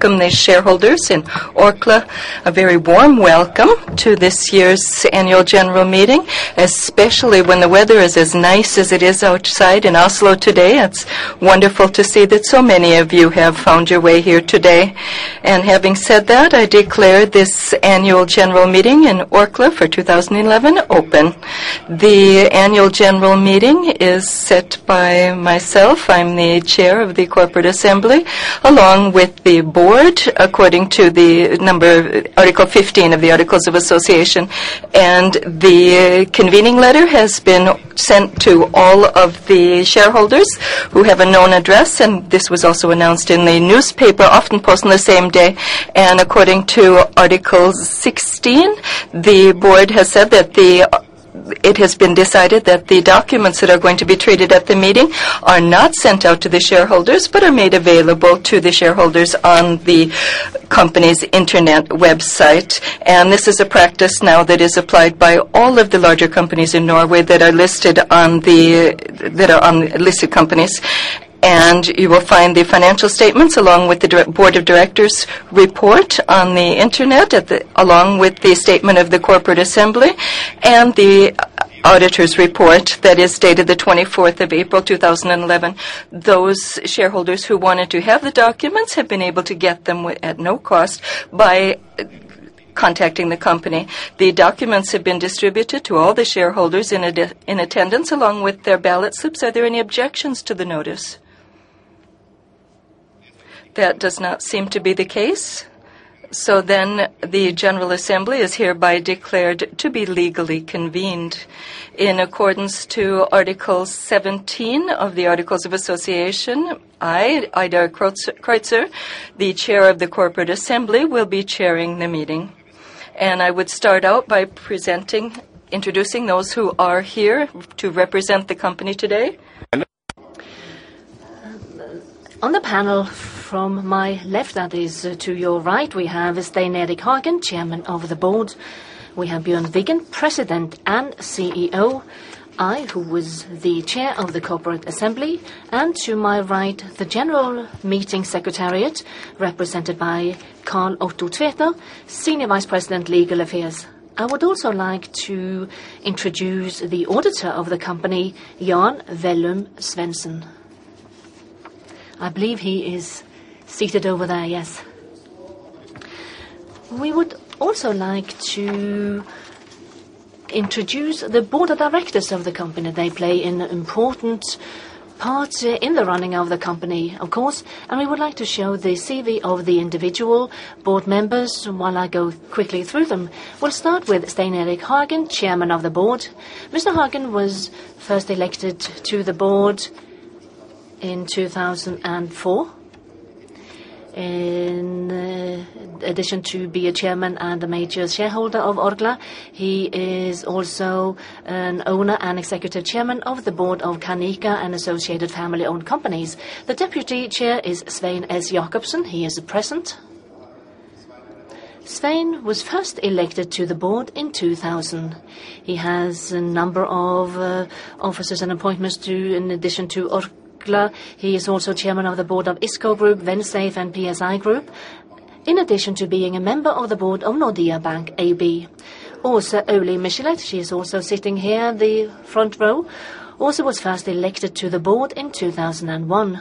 Welcome the shareholders in Orkla. A very warm welcome to this year's Annual General Meeting, especially when the weather is as nice as it is outside in Oslo today. It's wonderful to see that so many of you have found your way here today. Having said that, I declare this Annual General Meeting in Orkla for 2011 open. The Annual General Meeting is set by myself, I'm the Chair of the Corporate Assembly, along with the Board, according to the number, Article 15 of the Articles of Association. The convening letter has been sent to all of the shareholders who have a known address, and this was also announced in the newspaper, often posted on the same day. According to Article 16, the board has said that it has been decided that the documents that are going to be treated at the meeting are not sent out to the shareholders, but are made available to the shareholders on the company's internet website. This is a practice now that is applied by all of the larger companies in Norway that are listed on the listed companies. You will find the financial statements, along with the board of directors' report on the Internet, along with the statement of the corporate assembly and the auditor's report that is dated April 24, 2011. Those shareholders who wanted to have the documents have been able to get them at no cost by contacting the company. The documents have been distributed to all the shareholders in attendance, along with their ballot slips. Are there any objections to the notice? That does not seem to be the case. The General Assembly is hereby declared to be legally convened. In accordance to Article 17 of the Articles of Association, I, Idar Kreutzer, the Chair of the Corporate Assembly, will be chairing the meeting. I would start out by presenting, introducing those who are here to represent the company today. On the panel from my left, that is to your right, we have Stein Erik Hagen, Chairman of the Board. We have Bjørn Wiggen, President and CEO. I, who was the Chair of the Corporate Assembly, and to my right, the General Meeting Secretariat, represented by Karl Otto Tveter, Senior Vice President, Legal Affairs. I would also like to introduce the auditor of the company, Jan Wellum Svensen. I believe he is seated over there, yes. We would also like to introduce the board of directors of the company. They play an important part in the running of the company, of course, and we would like to show the CV of the individual board members. While I go quickly through them, we'll start with Stein Erik Hagen, Chairman of the Board. Mr. Hagen was first elected to the board in 2004. In addition to be a chairman and a major shareholder of Orkla, he is also an owner and Executive Chairman of the board of Canica and associated family-owned companies. The Deputy Chair is Svein S. Jacobsen. He is present. Svein was first elected to the board in 2000. He has a number of offices and appointments, too. In addition to Orkla, he is also Chairman of the board of ISCO Group, Vensafe, and PSI Group, in addition to being a member of the board of Nordea Bank Abp. Åse Aulie Michelet, she is also sitting here in the front row, also was first elected to the board in 2001.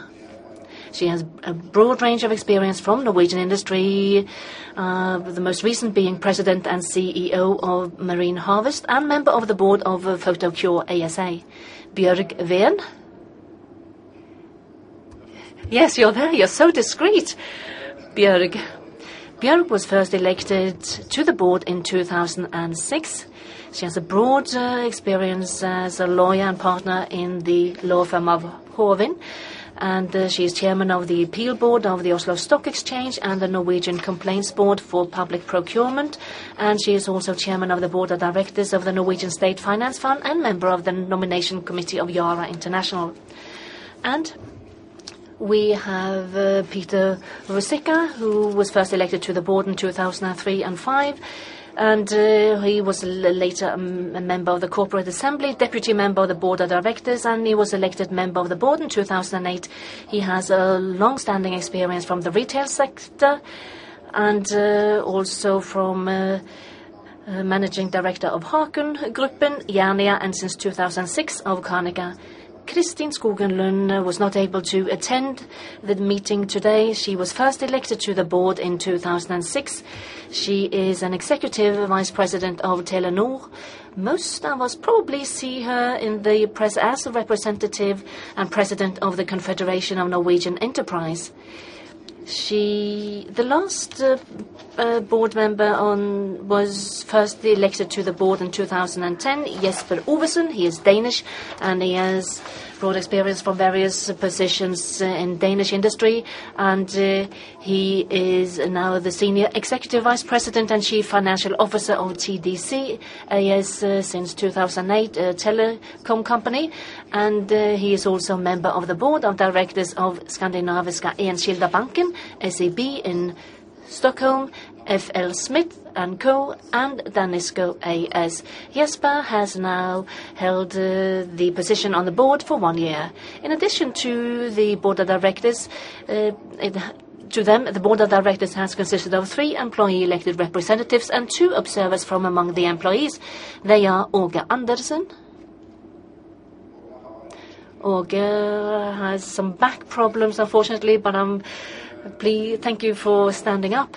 She has a broad range of experience from Norwegian industry, the most recent being President and CEO of Marine Harvest, and member of the board of Photocure ASA. Bjørg Ven? Yes, you're there. You're so discreet, Bjørg. Bjørg was first elected to the board in 2006. She has a broad experience as a lawyer and partner in the law firm of Hovden. She is Chairman of the Appeal Board of the Oslo Stock Exchange and the Norwegian Complaints Board for Public Procurement. She is also Chairman of the Board of Directors of the Norwegian State Finance Fund, and Member of the Nomination Committee of Yara International. We have Peter A. Ruzicka, who was first elected to the board in 2003 and 2005. He was later a Member of the Corporate Assembly, Deputy Member of the Board of Directors. He was elected Member of the Board in 2008. He has a long-standing experience from the retail sector and also from Managing Director of Hakon Gruppen, Jernia, and since 2006, of Canica. Kristin Skogen Lund was not able to attend the meeting today. She was first elected to the board in 2006. She is an Executive Vice President of Telenor. Most of us probably see her in the press as a representative and President of the Confederation of Norwegian Enterprise. The last board member on, was first elected to the board in 2010, Jesper Ovesen. He is Danish, and he has broad experience from various positions in Danish industry, and he is now the Senior Executive Vice President and Chief Financial Officer of TDC, as since 2008, a telecom company. He is also a member of the Board of Directors of Skandinaviska Enskilda Banken, SEB, Stockholm, FLSmidth & Co, and Danisco A/S. Jesper has now held the position on the board for one year. In addition to the board of directors, the board of directors has consisted of three employee-elected representatives and two observers from among the employees. They are Åge Andersen. Aage has some back problems, unfortunately, but thank you for standing up.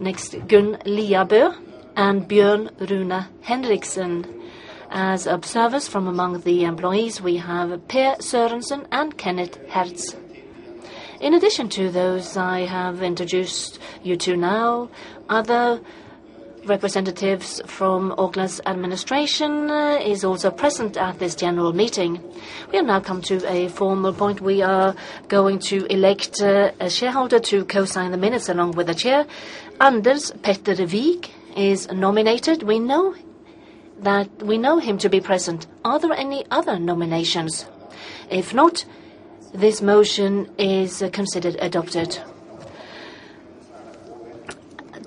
Next, Gunn Liabø and Bjørn Rune Henriksen. As observers from among the employees, we have Per Sørensen and Kenneth Hertz. In addition to those I have introduced you to now, other representatives from Orkla's administration is also present at this general meeting. We have now come to a formal point. We are going to elect a shareholder to co-sign the minutes along with the chair. Anders Petter Wiig is nominated. We know him to be present. Are there any other nominations? If not, this motion is considered adopted.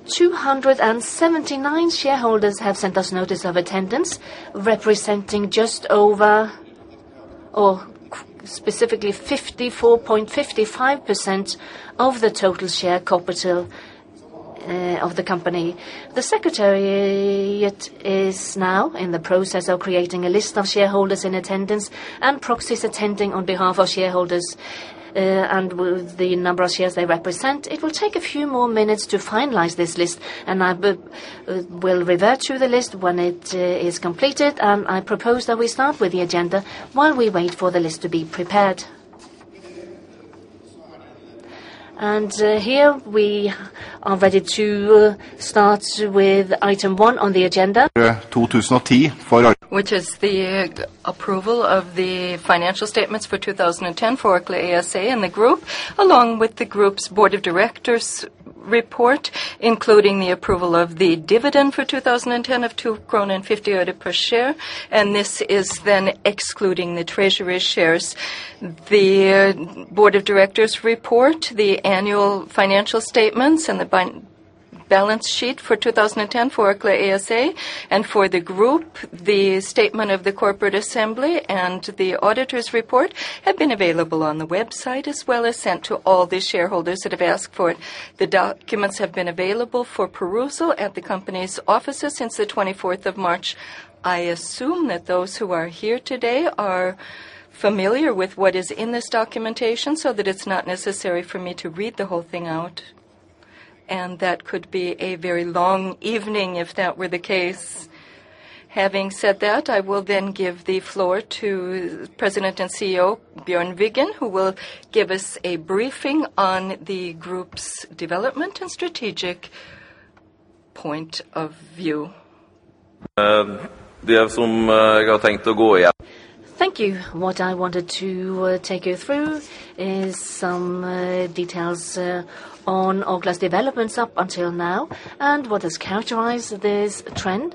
279 shareholders have sent us notice of attendance, representing just over, or specifically 54.55% of the total share capital of the company. The secretariat is now in the process of creating a list of shareholders in attendance and proxies attending on behalf of shareholders, and with the number of shares they represent. It will take a few more minutes to finalize this list, and I will revert to the list when it is completed. I propose that we start with the agenda while we wait for the list to be prepared. Here we are ready to start with item one on the agenda. Which is the approval of the financial statements for 2010 for Orkla ASA and the group, along with the group's Board of Directors report, including the approval of the dividend for 2010 of NOK 2.50 per share, and this is then excluding the treasury shares. The Board of Directors report, the annual financial statements, and the balance sheet for 2010 for Orkla ASA and for the group, the statement of the Corporate Assembly, and the auditor's report have been available on the website, as well as sent to all the shareholders that have asked for it. The documents have been available for perusal at the company's offices since the 24th of March. I assume that those who are here today are familiar with what is in this documentation, so that it's not necessary for me to read the whole thing out, and that could be a very long evening if that were the case. Having said that, I will then give the floor to President and CEO, Bjørn Wiggen, who will give us a briefing on the group's development and strategic point of view. Thank you. What I wanted to take you through is some details on Orkla's developments up until now, and what has characterized this trend.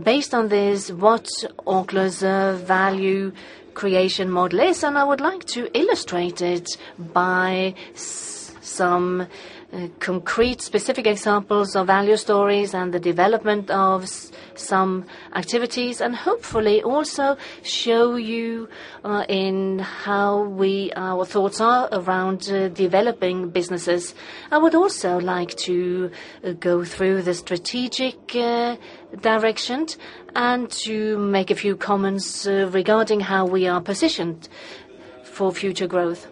Based on this, what Orkla's value creation model is, and I would like to illustrate it by some concrete, specific examples of value stories and the development of some activities, and hopefully also show you in our thoughts are around developing businesses. I would also like to go through the strategic direction and to make a few comments regarding how we are positioned for future growth.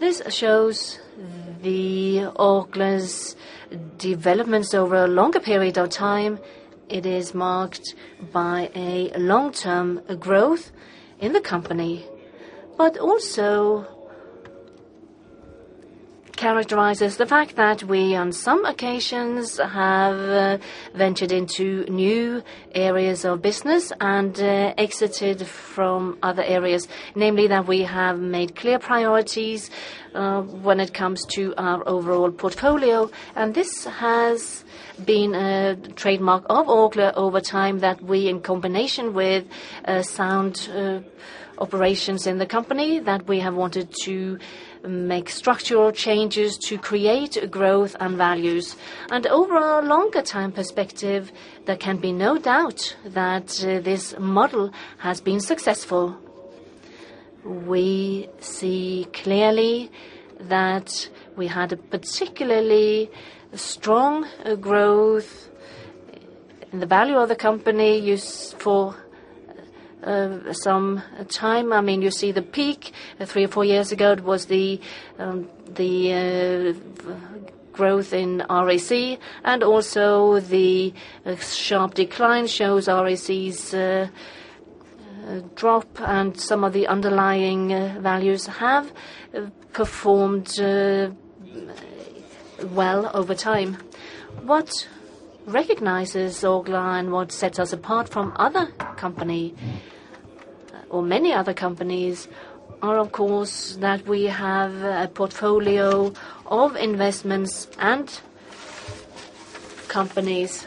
This shows the Orkla developments over a longer period of time. It is marked by a long-term growth in the company, but also. characterizes the fact that we, on some occasions, have ventured into new areas of business and exited from other areas, namely, that we have made clear priorities when it comes to our overall portfolio. This has been a trademark of Aker over time, that we, in combination with sound operations in the company, that we have wanted to make structural changes to create growth and values. Over a longer time perspective, there can be no doubt that this model has been successful. We see clearly that we had a particularly strong growth in the value of the company used for some time. I mean, you see the peak, three or four years ago, it was the growth in RAC, and also the sharp decline shows RAC's drop, and some of the underlying values have performed well over time. What recognizes Aker and what sets us apart from other company, or many other companies, are, of course, that we have a portfolio of investments and companies.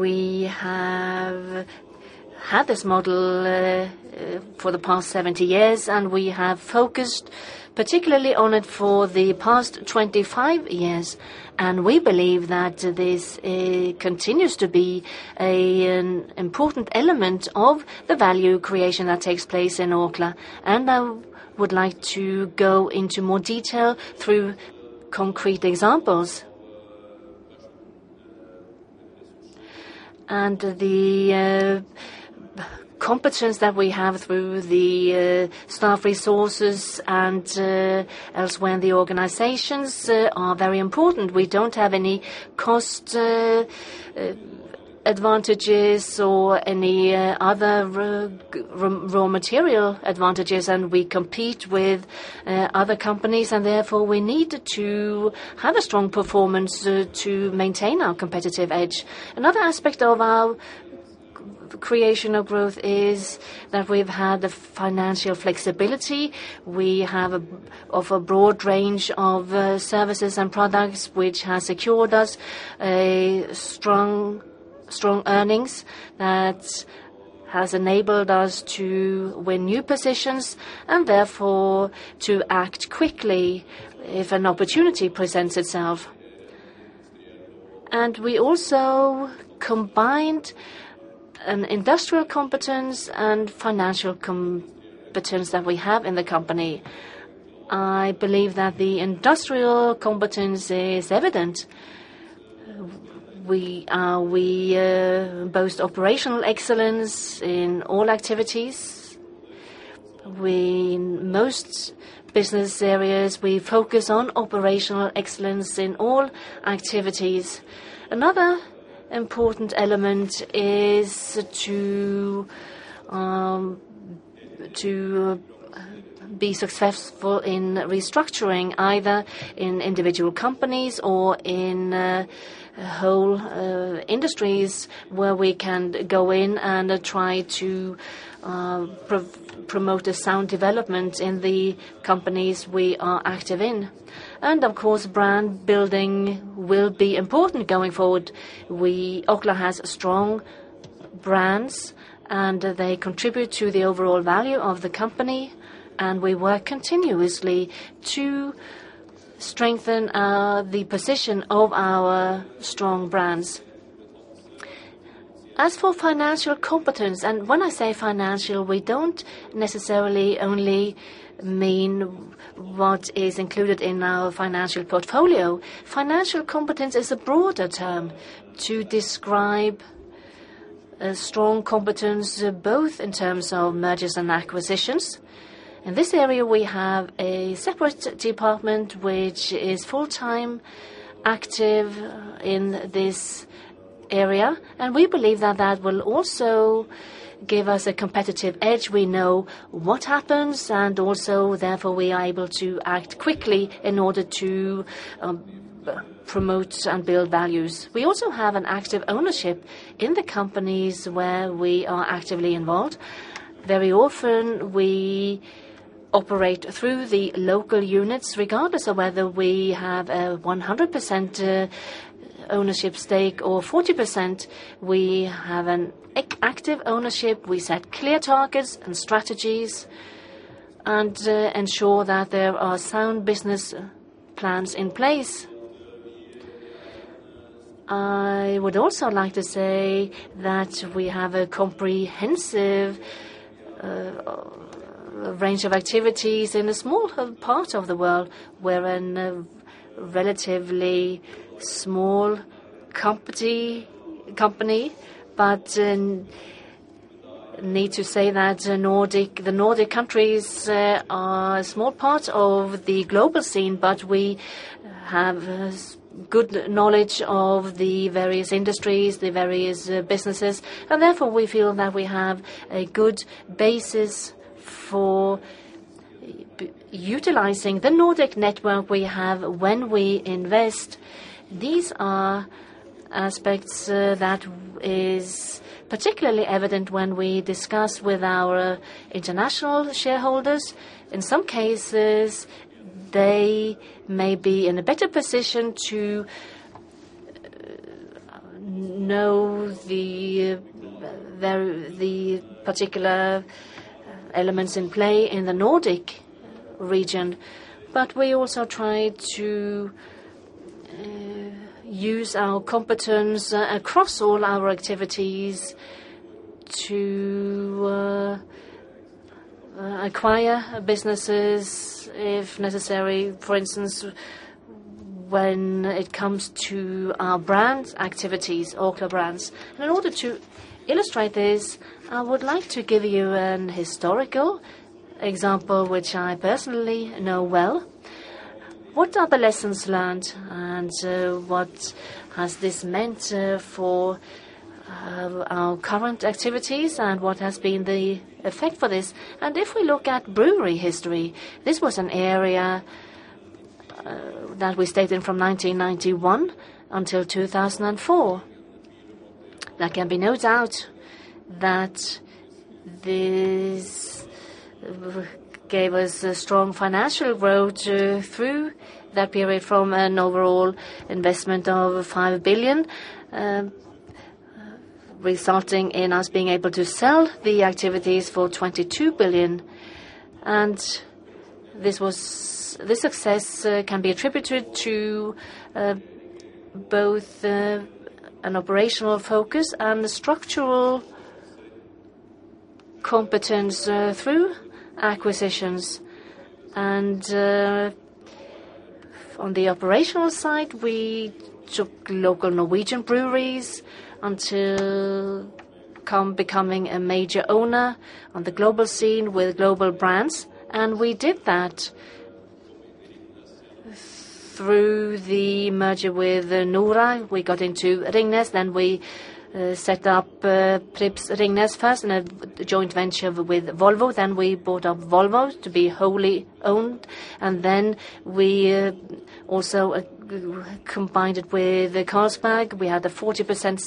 We have had this model, for the past 70 years, and we have focused particularly on it for the past 25 years, and we believe that this continues to be a important element of the value creation that takes place in Orkla. I would like to go into more detail through concrete examples. The competence that we have through the staff resources and elsewhere in the organizations are very important. We don't have any cost advantages or any other raw material advantages, and we compete with other companies, and therefore, we need to have a strong performance to maintain our competitive edge. Another aspect of our creation of growth is that we've had the financial flexibility. We have a broad range of services and products, which has secured us strong earnings that has enabled us to win new positions, and therefore, to act quickly if an opportunity presents itself. We also combined an industrial competence and financial competence that we have in the company. I believe that the industrial competence is evident. We boast operational excellence in all activities. Most business areas, we focus on operational excellence in all activities. Another important element is to be successful in restructuring, either in individual companies or in whole industries, where we can go in and try to promote a sound development in the companies we are active in. Of course, brand building will be important going forward. Orkla has strong brands, and they contribute to the overall value of the company, and we work continuously to strengthen the position of our strong brands. As for financial competence, and when I say financial, we don't necessarily only mean what is included in our financial portfolio. Financial competence is a broader term to describe a strong competence, both in terms of mergers and acquisitions. In this area, we have a separate department, which is full-time, active in this area, and we believe that that will also give us a competitive edge. We know what happens, and also, therefore, we are able to act quickly in order to promote and build values. We also have an active ownership in the companies where we are actively involved. Very often, we operate through the local units, regardless of whether we have a 100% ownership stake or 40%, we have an active ownership. We set clear targets and strategies, and ensure that there are sound business plans in place. I would also like to say that we have a comprehensive range of activities in a small part of the world. We're in a relatively small company, Need to say that Nordic, the Nordic countries, are a small part of the global scene, but we have good knowledge of the various industries, the various businesses, and therefore, we feel that we have a good basis for utilizing the Nordic network we have when we invest. These are aspects that is particularly evident when we discuss with our international shareholders. In some cases, they may be in a better position to know the particular elements in play in the Nordic region. We also try to use our competence across all our activities to acquire businesses, if necessary, for instance, when it comes to our Brands activities, Orkla Brands. In order to illustrate this, I would like to give you an historical example, which I personally know well. What are the lessons learned, and what has this meant for our current activities, and what has been the effect for this? If we look at brewery history, this was an area that we stayed in from 1991 until 2004. There can be no doubt that this gave us a strong financial growth through that period, from an overall investment of 5 billion, resulting in us being able to sell the activities for 22 billion. This was this success can be attributed to both an operational focus and a structural competence through acquisitions. On the operational side, we took local Norwegian breweries until come, becoming a major owner on the global scene with global brands. We did that through the merger with Nora. We got into Ringnes, then we set up Pripps Ringnes first, in a joint venture with Volvo. We bought up Volvo to be wholly owned, and then we also combined it with Carlsberg. We had a 40%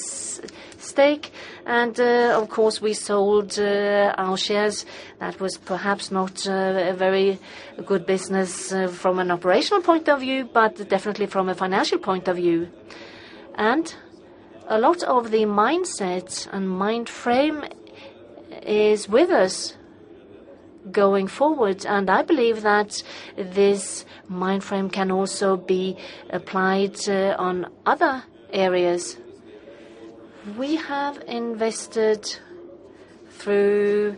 stake, and of course, we sold our shares. That was perhaps not a very good business from an operational point of view, but definitely from a financial point of view. A lot of the mindsets and mind frame is with us going forward, and I believe that this mind frame can also be applied on other areas. We have invested through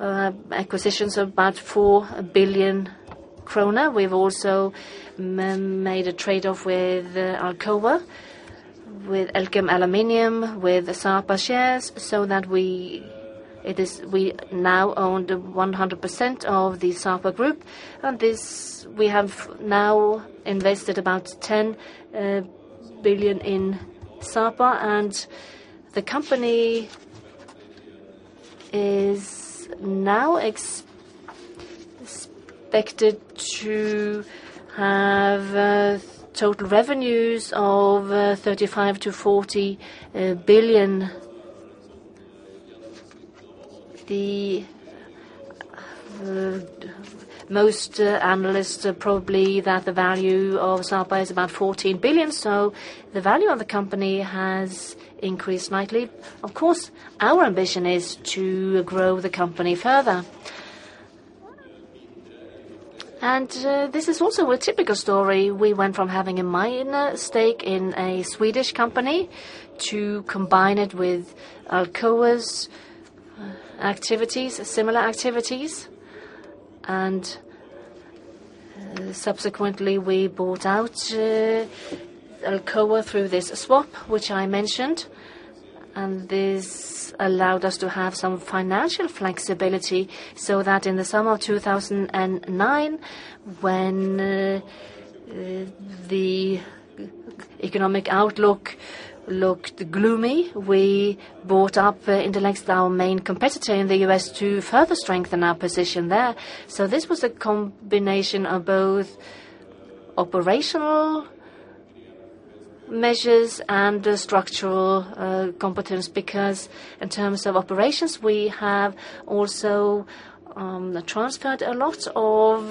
acquisitions of about 4 billion kroner. We've also made a trade-off with Alcoa, with Elkem Aluminium, with the Sapa shares, so that we. It is, we now own the 100% of the Sapa Group, and this, we have now invested about 10 billion in Sapa, and the company is now expected to have total revenues of NOK 35 billion-NOK 40 billion. The most analysts are probably that the value of Sapa is about 14 billion, so the value of the company has increased nightly. Of course, our ambition is to grow the company further. This is also a typical story. We went from having a minor stake in a Swedish company to combine it with Alcoa's activities, similar activities. Subsequently, we bought out Alcoa through this swap, which I mentioned, and this allowed us to have some financial flexibility, so that in the summer of 2009, when the economic outlook looked gloomy, we bought up Intellect, our main competitor in the US, to further strengthen our position there. This was a combination of both operational measures and structural competence, because in terms of operations, we have also transferred a lot of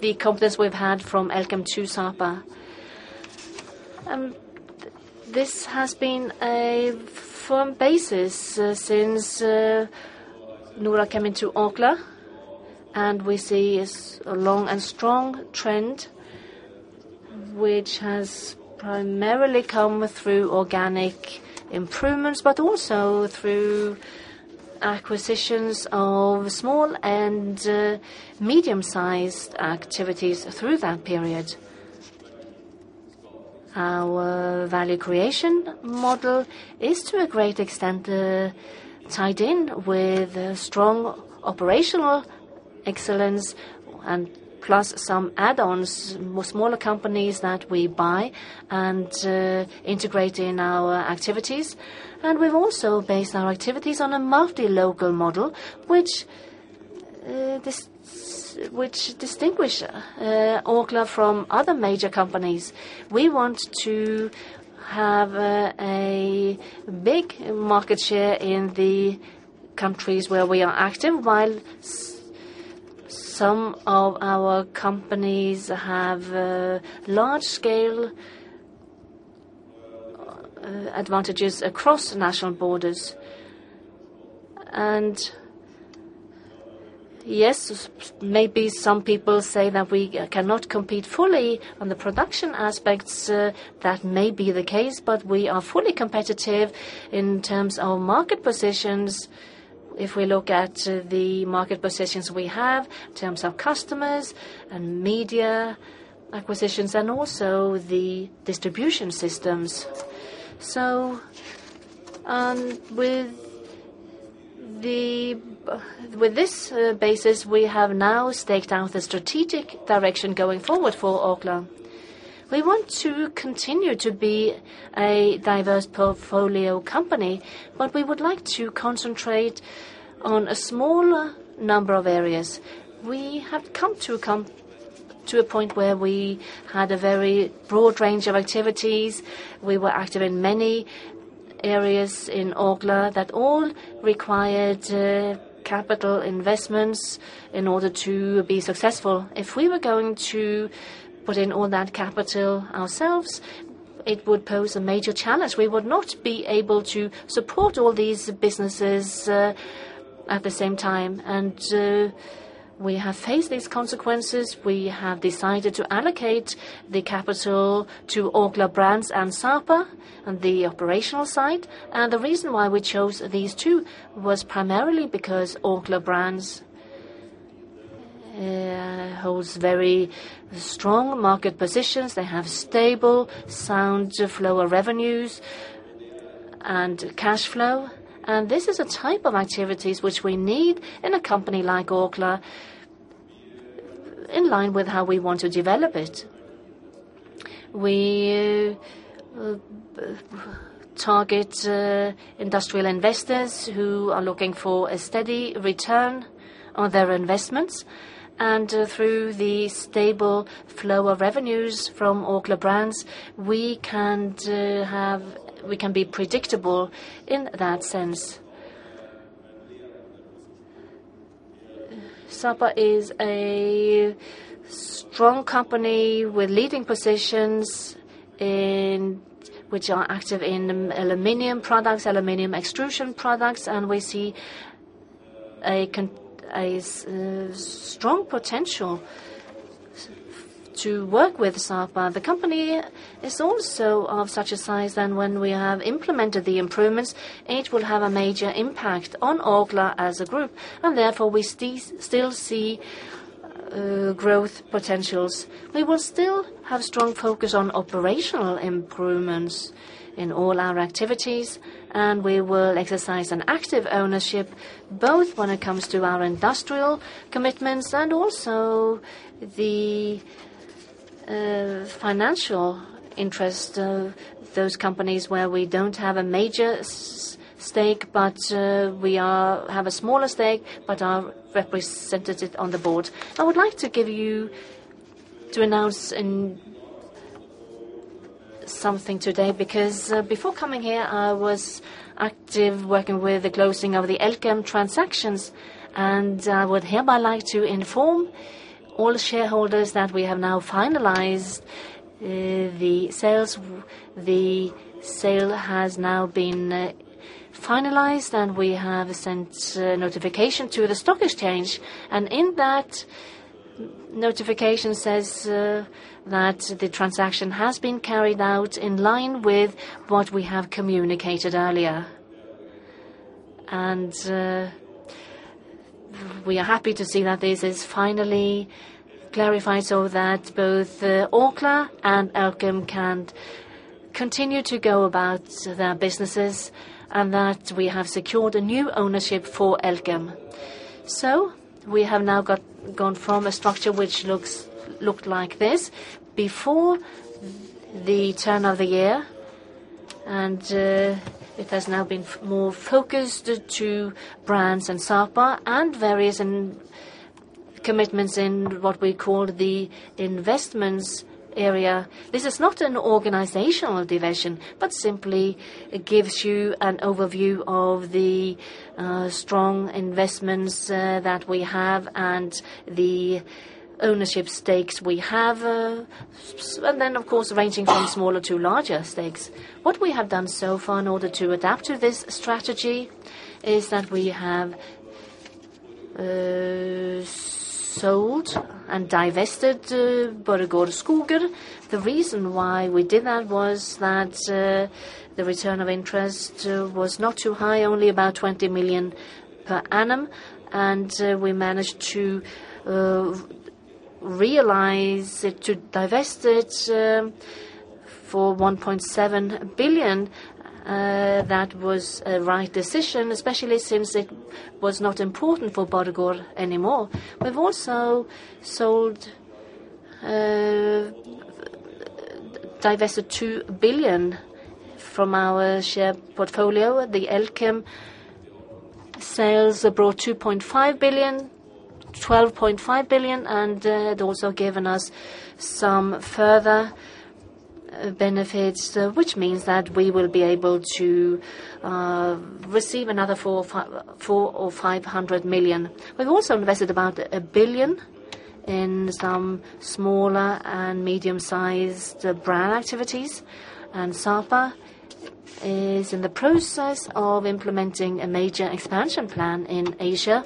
the competence we've had from Elkem to Sapa. This has been a firm basis since NORA came into Orkla, and we see is a long and strong trend, which has primarily come through organic improvements, but also through acquisitions of small and medium-sized activities through that period. Our value creation model is, to a great extent, tied in with strong operational excellence, plus some add-ons with smaller companies that we buy and integrate in our activities. We've also based our activities on a multi-local model, which distinguish Orkla from other major companies. We want to have a big market share in the countries where we are active, while some of our companies have large-scale advantages across national borders. Yes, maybe some people say that we cannot compete fully on the production aspects. That may be the case, but we are fully competitive in terms of market positions. If we look at the market positions we have, in terms of customers and media acquisitions, and also the distribution systems. With this basis, we have now staked out the strategic direction going forward for Orkla. We want to continue to be a diverse portfolio company, but we would like to concentrate on a smaller number of areas. We have come to a point where we had a very broad range of activities. We were active in many areas in Orkla that all required capital investments in order to be successful. If we were going to put in all that capital ourselves, it would pose a major challenge. We would not be able to support all these businesses at the same time, and we have faced these consequences. We have decided to allocate the capital to Orkla Brands and Sapa, and the operational side. The reason why we chose these two was primarily because Orkla Brands holds very strong market positions. They have stable, sound flow of revenues and cash flow, and this is a type of activities which we need in a company like Orkla, in line with how we want to develop it. We target industrial investors who are looking for a steady return on their investments, and through the stable flow of revenues from Orkla Brands, we can be predictable in that sense. Sapa is a strong company with leading positions which are active in aluminium products, aluminium extrusion products, and we see a strong potential to work with Sapa. The company is also of such a size, and when we have implemented the improvements, it will have a major impact on Orkla as a group, and therefore, we still see growth potentials. We will still have strong focus on operational improvements in all our activities, and we will exercise an active ownership, both when it comes to our industrial commitments and also the financial interest of those companies where we don't have a major stake, but we have a smaller stake, but are represented on the board. I would like to announce in something today, because before coming here, I was active, working with the closing of the Elkem transactions, and would hereby like to inform all shareholders that we have now finalized the sales. The sale has now been finalized, and we have sent notification to the stock exchange, and in that notification says that the transaction has been carried out in line with what we have communicated earlier. We are happy to see that this is finally clarified, so that both Alcoa and Elkem can continue to go about their businesses, and that we have secured a new ownership for Elkem. We have now gone from a structure which looked like this before the turn of the year, and it has now been more focused to brands and Sapa and various in commitments in what we call the investments area. This is not an organizational division, but simply it gives you an overview of the strong investments that we have and the ownership stakes we have, and then, of course, ranging from smaller to larger stakes. What we have done so far in order to adapt to this strategy is that we have sold and divested Borregaard Skoger. The reason why we did that was that the return of interest was not too high, only about 20 million per annum, and we managed to realize it, to divest it, for 1.7 billion. That was a right decision, especially since it was not important for Borregaard anymore. We've also sold, divested 2 billion from our share portfolio. The Elkem sales brought 12.5 billion. It also given us some further benefits, which means that we will be able to receive another 400 million or 500 million. We've also invested about 1 billion in some smaller and medium-sized brand activities. Sapa is in the process of implementing a major expansion plan in Asia.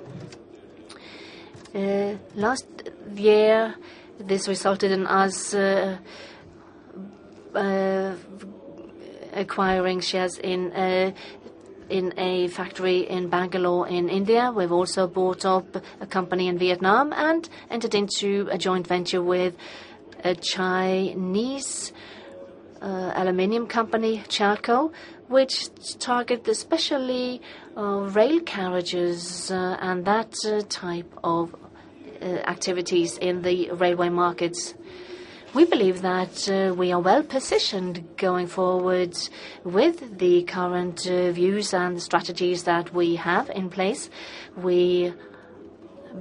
Last year, this resulted in us acquiring shares in a factory in Bangalore, in India. We've also bought up a company in Vietnam and entered into a joint venture with a Chinese aluminum company, Chalieco, which target especially rail carriages and that type of activities in the railway markets. We believe that we are well positioned going forward with the current views and strategies that we have in place. We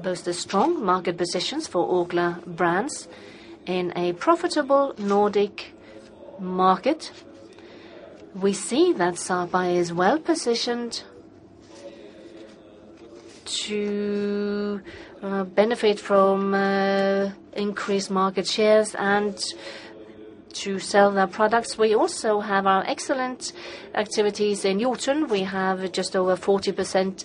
boast a strong market positions for Orkla Brands in a profitable Nordic market. We see that Sapa is well positioned to benefit from increased market shares and to sell their products. We also have our excellent activities in Jotun. We have just over 40%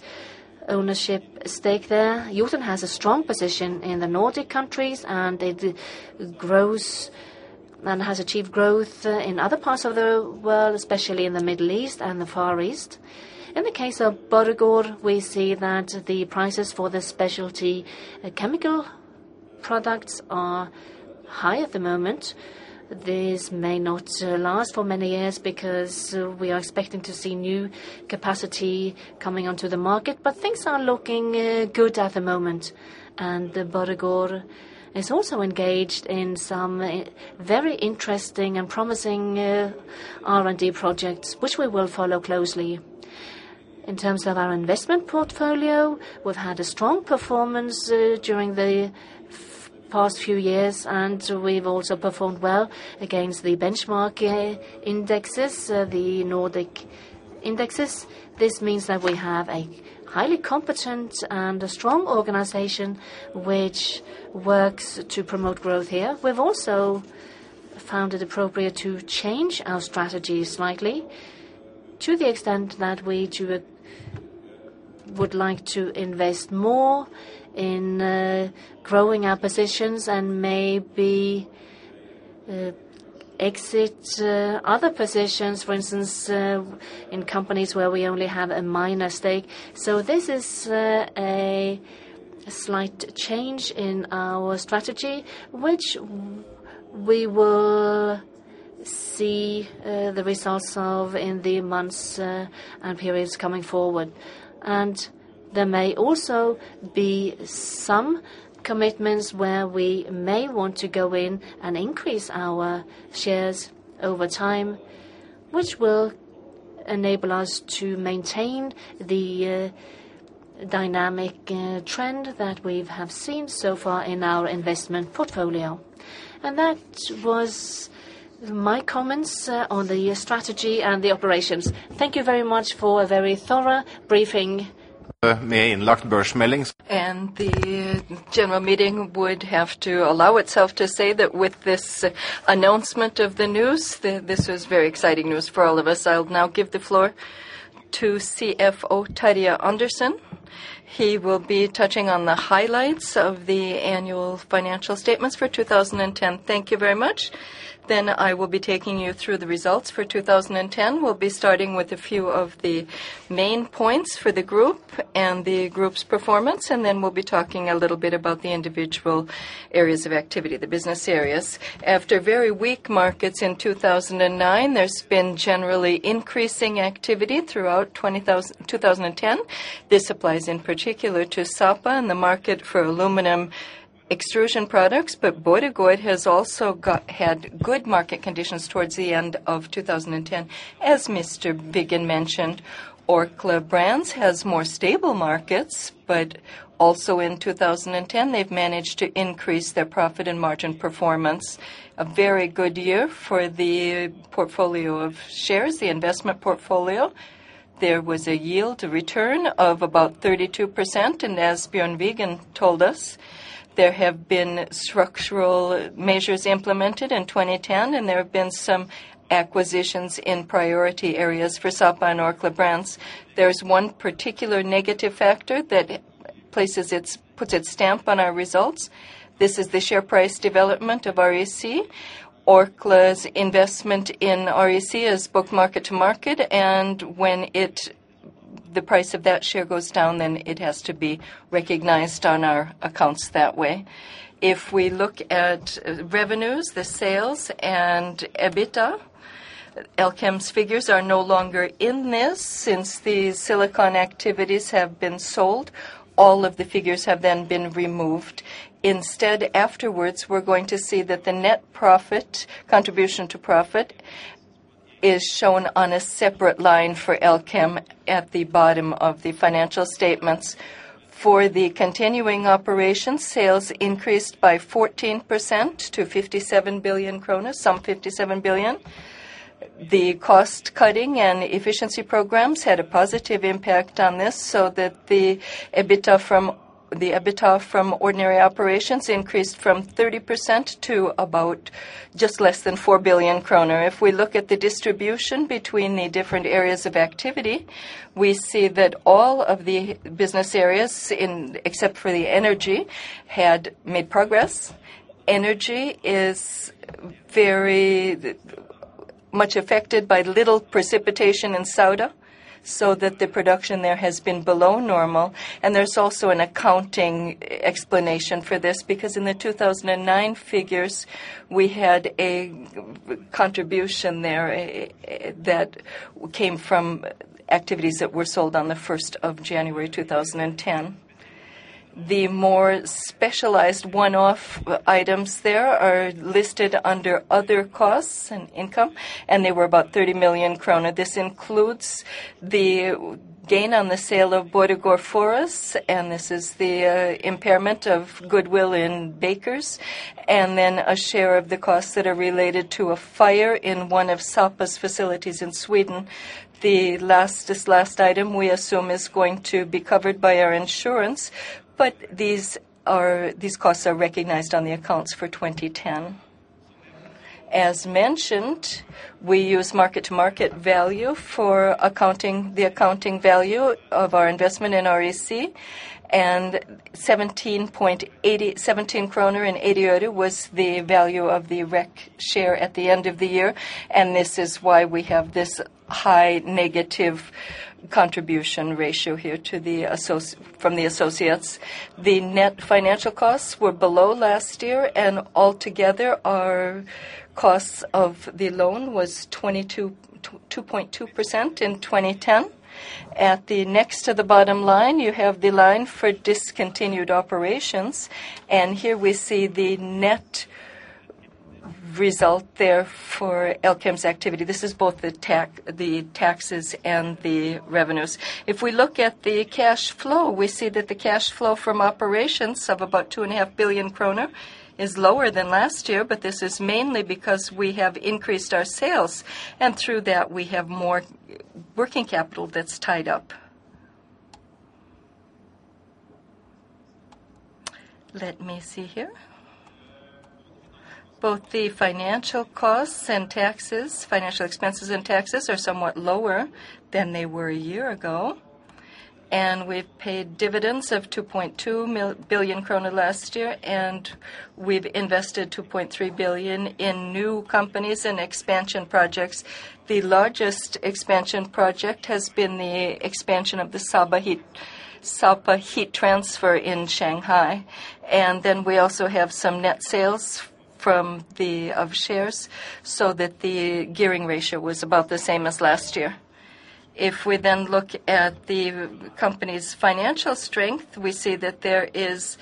ownership stake there. Jotun has a strong position in the Nordic countries, and it grows and has achieved growth in other parts of the world, especially in the Middle East and the Far East. In the case of Borregaard, we see that the prices for the specialty chemical products are high at the moment. This may not last for many years because we are expecting to see new capacity coming onto the market, but things are looking good at the moment. Borregaard is also engaged in some very interesting and promising R&D projects, which we will follow closely. In terms of our investment portfolio, we've had a strong performance, during the past few years, and we've also performed well against the benchmark, indexes, the Nordic indexes. This means that we have a highly competent and a strong organization which works to promote growth here. We've also found it appropriate to change our strategy slightly, to the extent that we too, would like to invest more in, growing our positions and maybe, exit, other positions, for instance, in companies where we only have a minor stake. This is, a slight change in our strategy, which we will see, the results of in the months, and periods coming forward. There may also be some commitments where we may want to go in and increase our shares over time, which will enable us to maintain the dynamic trend that we've seen so far in our investment portfolio. That was my comments on the strategy and the operations. Thank you very much for a very thorough briefing. The general meeting would have to allow itself to say that with this announcement of the news, this was very exciting news for all of us. I'll now give the floor to CFO, Terje Andersen. He will be touching on the highlights of the annual financial statements for 2010. Thank you very much. I will be taking you through the results for 2010. We'll be starting with a few of the main points for the group and the group's performance, and then we'll be talking a little bit about the individual areas of activity, the business areas. After very weak markets in 2009, there's been generally increasing activity throughout 2010. This applies in particular to Sapa and the market for aluminum extrusion products. Borregaard has also had good market conditions towards the end of 2010. As Mr. Wigen mentioned, Orkla Brands has more stable markets. Also in 2010, they've managed to increase their profit and margin performance. A very good year for the portfolio of shares, the investment portfolio. There was a yield return of about 32%. As Bjørn Wiggen told us, there have been structural measures implemented in 2010, and there have been some acquisitions in priority areas for Sapa and Orkla Brands. There is one particular negative factor that puts its stamp on our results. This is the share price development of REC. Orkla's investment in REC is book mark-to-market. When the price of that share goes down, it has to be recognized on our accounts that way. If we look at revenues, the sales and EBITDA, Elkem's figures are no longer in this, since the silicon activities have been sold, all of the figures have been removed. Instead, afterwards, we're going to see that the net profit, contribution to profit, is shown on a separate line for Elkem at the bottom of the financial statements. For the continuing operations, sales increased by 14% to 57 billion kroner, some 57 billion. The cost cutting and efficiency programs had a positive impact on this, so that the EBITDA from ordinary operations increased from 30% to about just less than 4 billion kroner. If we look at the distribution between the different areas of activity, we see that all of the business areas in, except for the energy, had made progress. Energy is very much affected by little precipitation in Sauda, so that the production there has been below normal. There's also an accounting explanation for this, because in the 2009 figures, we had a contribution there that came from activities that were sold on the first of January, 2010. The more specialized one-off items there are listed under other costs and income, and they were about 30 million kroner. This includes the gain on the sale of Borregaard Skoger, and this is the impairment of goodwill in Bakers, and then a share of the costs that are related to a fire in one of Sapa's facilities in Sweden. This last item, we assume, is going to be covered by our insurance, but these costs are recognized on the accounts for 2010. As mentioned, we use mark-to-market value for accounting, the accounting value of our investment in REC, 17.80 was the value of the REC share at the end of the year, and this is why we have this high negative contribution ratio here from the associates. The net financial costs were below last year. Altogether, our costs of the loan was 2.2% in 2010. At the next to the bottom line, you have the line for discontinued operations. Here we see the net result there for Elkem's activity. This is both the taxes and the revenues. If we look at the cash flow, we see that the cash flow from operations of about 2.5 billion kroner is lower than last year. This is mainly because we have increased our sales, and through that, we have more working capital that's tied up. Let me see here. Both the financial costs and taxes, financial expenses and taxes, are somewhat lower than they were a year ago. We've paid dividends of 2.2 billion krone last year, and we've invested 2.3 billion in new companies and expansion projects. The largest expansion project has been the expansion of the Sapa Heat Transfer in Shanghai. We also have some net sales of shares, so that the gearing ratio was about the same as last year. We then look at the company's financial strength, we see that there is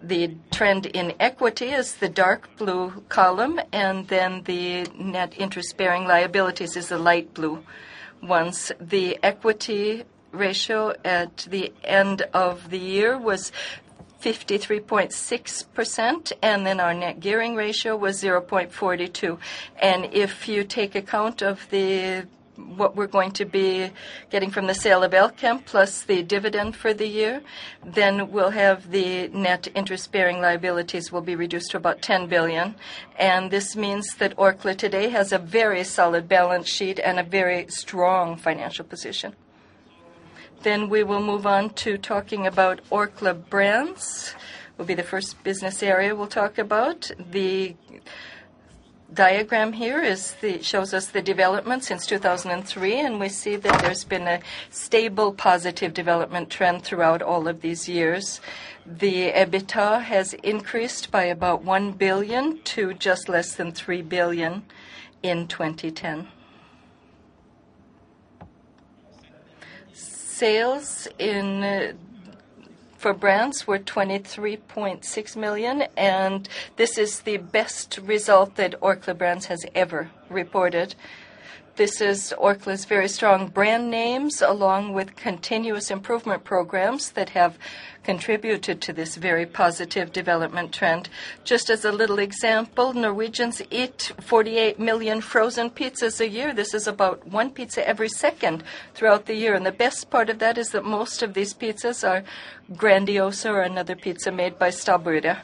the trend in equity is the dark blue column, and then the net interest-bearing liabilities is the light blue ones. The equity ratio at the end of the year was 53.6%, and then our net gearing ratio was 0.42. If you take account of what we're going to be getting from the sale of Elkem, plus the dividend for the year, then we'll have the net interest-bearing liabilities will be reduced to about 10 billion. This means that Orkla today has a very solid balance sheet and a very strong financial position. We will move on to talking about Orkla Brands, will be the first business area we'll talk about. The diagram here shows us the development since 2003, and we see that there's been a stable, positive development trend throughout all of these years. The EBITDA has increased by about 1 billion to just less than 3 billion in 2010. Sales in for Brands were 23.6 million, and this is the best result that Orkla Brands has ever reported. This is Orkla's very strong brand names, along with continuous improvement programs that have contributed to this very positive development trend. Just as a little example, Norwegians eat 48 million frozen pizzas a year. This is about one pizza every second throughout the year. The best part of that is that most of these pizzas are Grandiosa or another pizza made by Stabburet.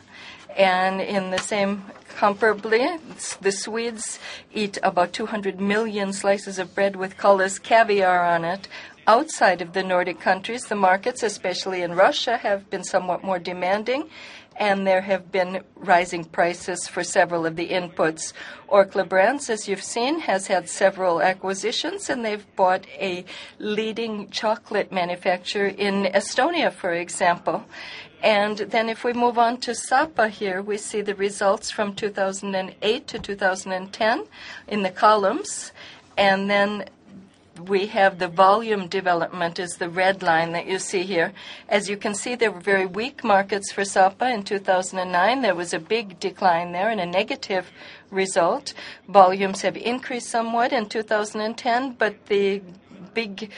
In the same comparably, the Swedes eat about 200 million slices of bread with Kalix caviar on it. Outside of the Nordic countries, the markets, especially in Russia, have been somewhat more demanding, and there have been rising prices for several of the inputs. Orkla Brands, as you've seen, has had several acquisitions, and they've bought a leading chocolate manufacturer in Estonia, for example. If we move on to Sapa here, we see the results from 2008 to 2010 in the columns. We have the volume development is the red line that you see here. As you can see, there were very weak markets for Sapa in 2009. There was a big decline there and a negative result. Volumes have increased somewhat in 2010, but the big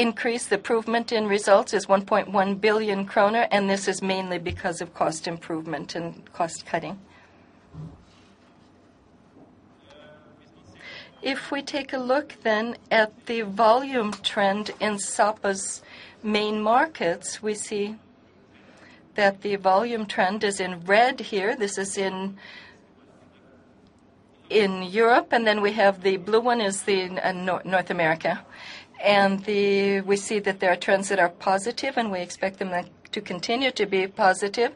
increase, improvement in results, is 1.1 billion kroner, and this is mainly because of cost improvement and cost cutting. If we take a look then at the volume trend in Sapa's main markets, we see that the volume trend is in red here. This is in Europe, and then we have the blue one is the North America. We see that there are trends that are positive, and we expect them to continue to be positive.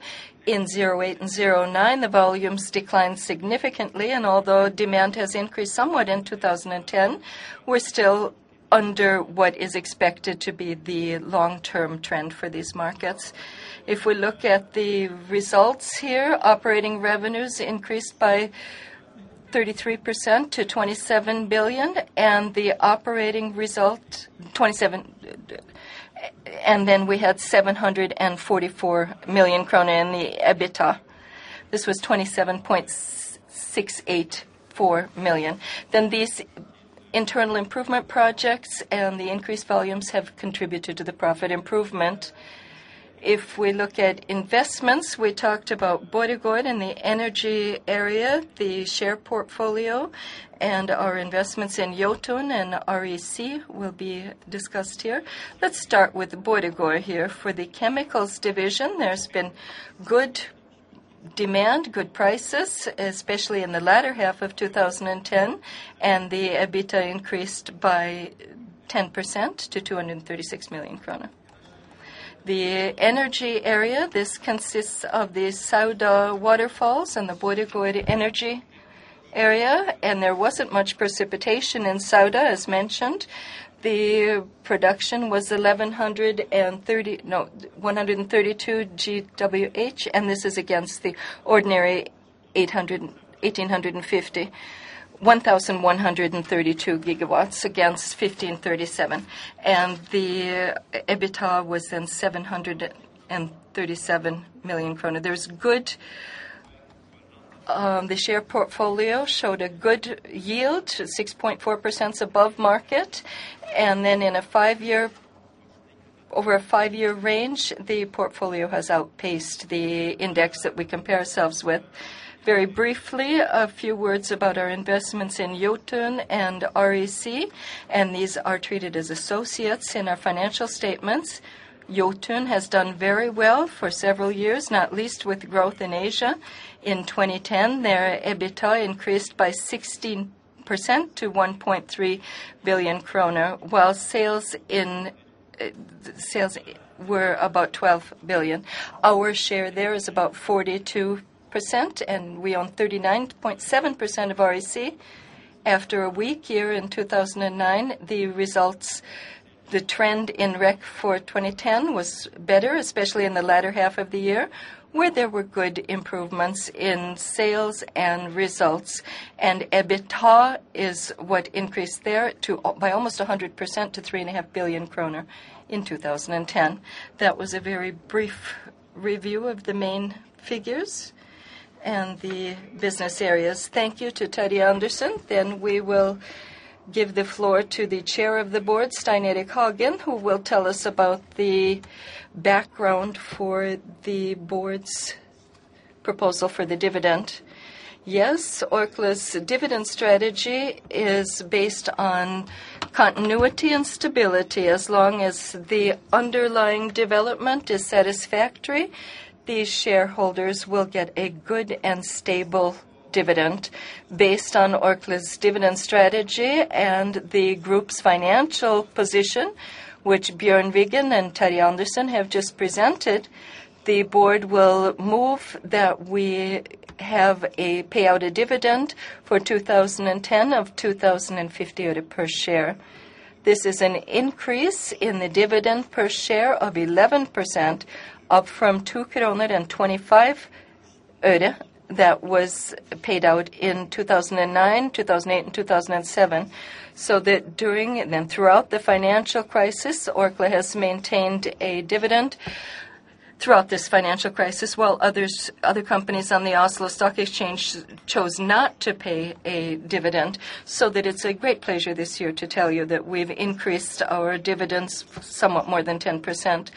In 2008 and 2009, the volumes declined significantly, and although demand has increased somewhat in 2010, we're still under what is expected to be the long-term trend for these markets. If we look at the results here, operating revenues increased by. 33% to 27 billion, and the operating result, 27 billion. We had 744 million krone in the EBITDA. This was 27.684 million. These internal improvement projects and the increased volumes have contributed to the profit improvement. If we look at investments, we talked about Borregaard in the energy area, the share portfolio, and our investments in Jotun and REC will be discussed here. Let's start with Borregaard here. For the chemicals division, there's been good demand, good prices, especially in the latter half of 2010, and the EBITDA increased by 10% to 236 million krone. The energy area, this consists of the Sauda Waterfalls and the Borregaard energy area, and there wasn't much precipitation in Sauda, as mentioned. The production was 1,130. 132 GWh. This is against the ordinary 1,850. 1,132 gigawatts against 1,537. The EBITDA was then 737 million kroner. There's good, the share portfolio showed a good yield, 6.4% above market. In a 5-year, over a 5-year range, the portfolio has outpaced the index that we compare ourselves with. Very briefly, a few words about our investments in Jotun and REC. These are treated as associates in our financial statements. Jotun has done very well for several years, not least with growth in Asia. In 2010, their EBITDA increased by 16% to 1.3 billion kroner, while sales in sales were about 12 billion. Our share there is about 42%, and we own 39.7% of REC. After a weak year in 2009, the trend in REC for 2010 was better, especially in the latter half of the year, where there were good improvements in sales and results. EBITDA is what increased there by almost 100% to three and a half billion NOK in 2010. That was a very brief review of the main figures and the business areas. Thank you to Terje Andersen. We will give the floor to the Chair of the Board, Stein Erik Hagen, who will tell us about the background for the board's proposal for the dividend. Yes, Orkla's dividend strategy is based on continuity and stability. As long as the underlying development is satisfactory, the shareholders will get a good and stable dividend. Based on Orkla's dividend strategy and the group's financial position, which Bjørn Wiggen and Terje Andersen have just presented, the board will move that we pay out a dividend for 2010 of 2,050 øre per share. This is an increase in the dividend per share of 11%, up from 2 kroner and 25 øre that was paid out in 2009, 2008, and 2007. During and throughout the financial crisis, Orkla has maintained a dividend throughout this financial crisis, while other companies on the Oslo Stock Exchange chose not to pay a dividend. It's a great pleasure this year to tell you that we've increased our dividends somewhat more than 10%.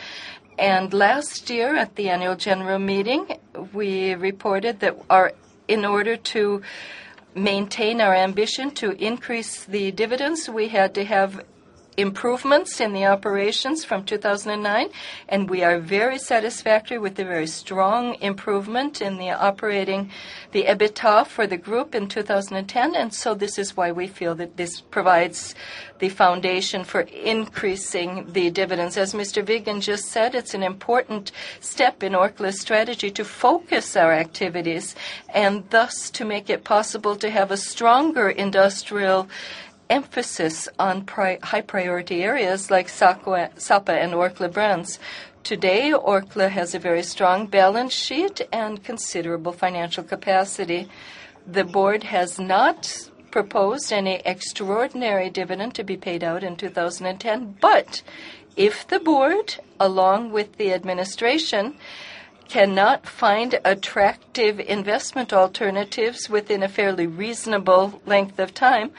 Last year, at the annual general meeting, we reported that our In order to maintain our ambition to increase the dividends, we had to have improvements in the operations from 2009, and we are very satisfactory with the very strong improvement in operating EBITDA for the group in 2010. This is why we feel that this provides the foundation for increasing the dividends. As Mr. Wiggen just said, it's an important step in Orkla's strategy to focus our activities, and thus, to make it possible to have a stronger industrial emphasis on high-priority areas like Sapa and Orkla Brands. Today, Orkla has a very strong balance sheet and considerable financial capacity. The board has not proposed any extraordinary dividend to be paid out in 2010. If the board, along with the administration, cannot find attractive investment alternatives within a fairly reasonable length of time,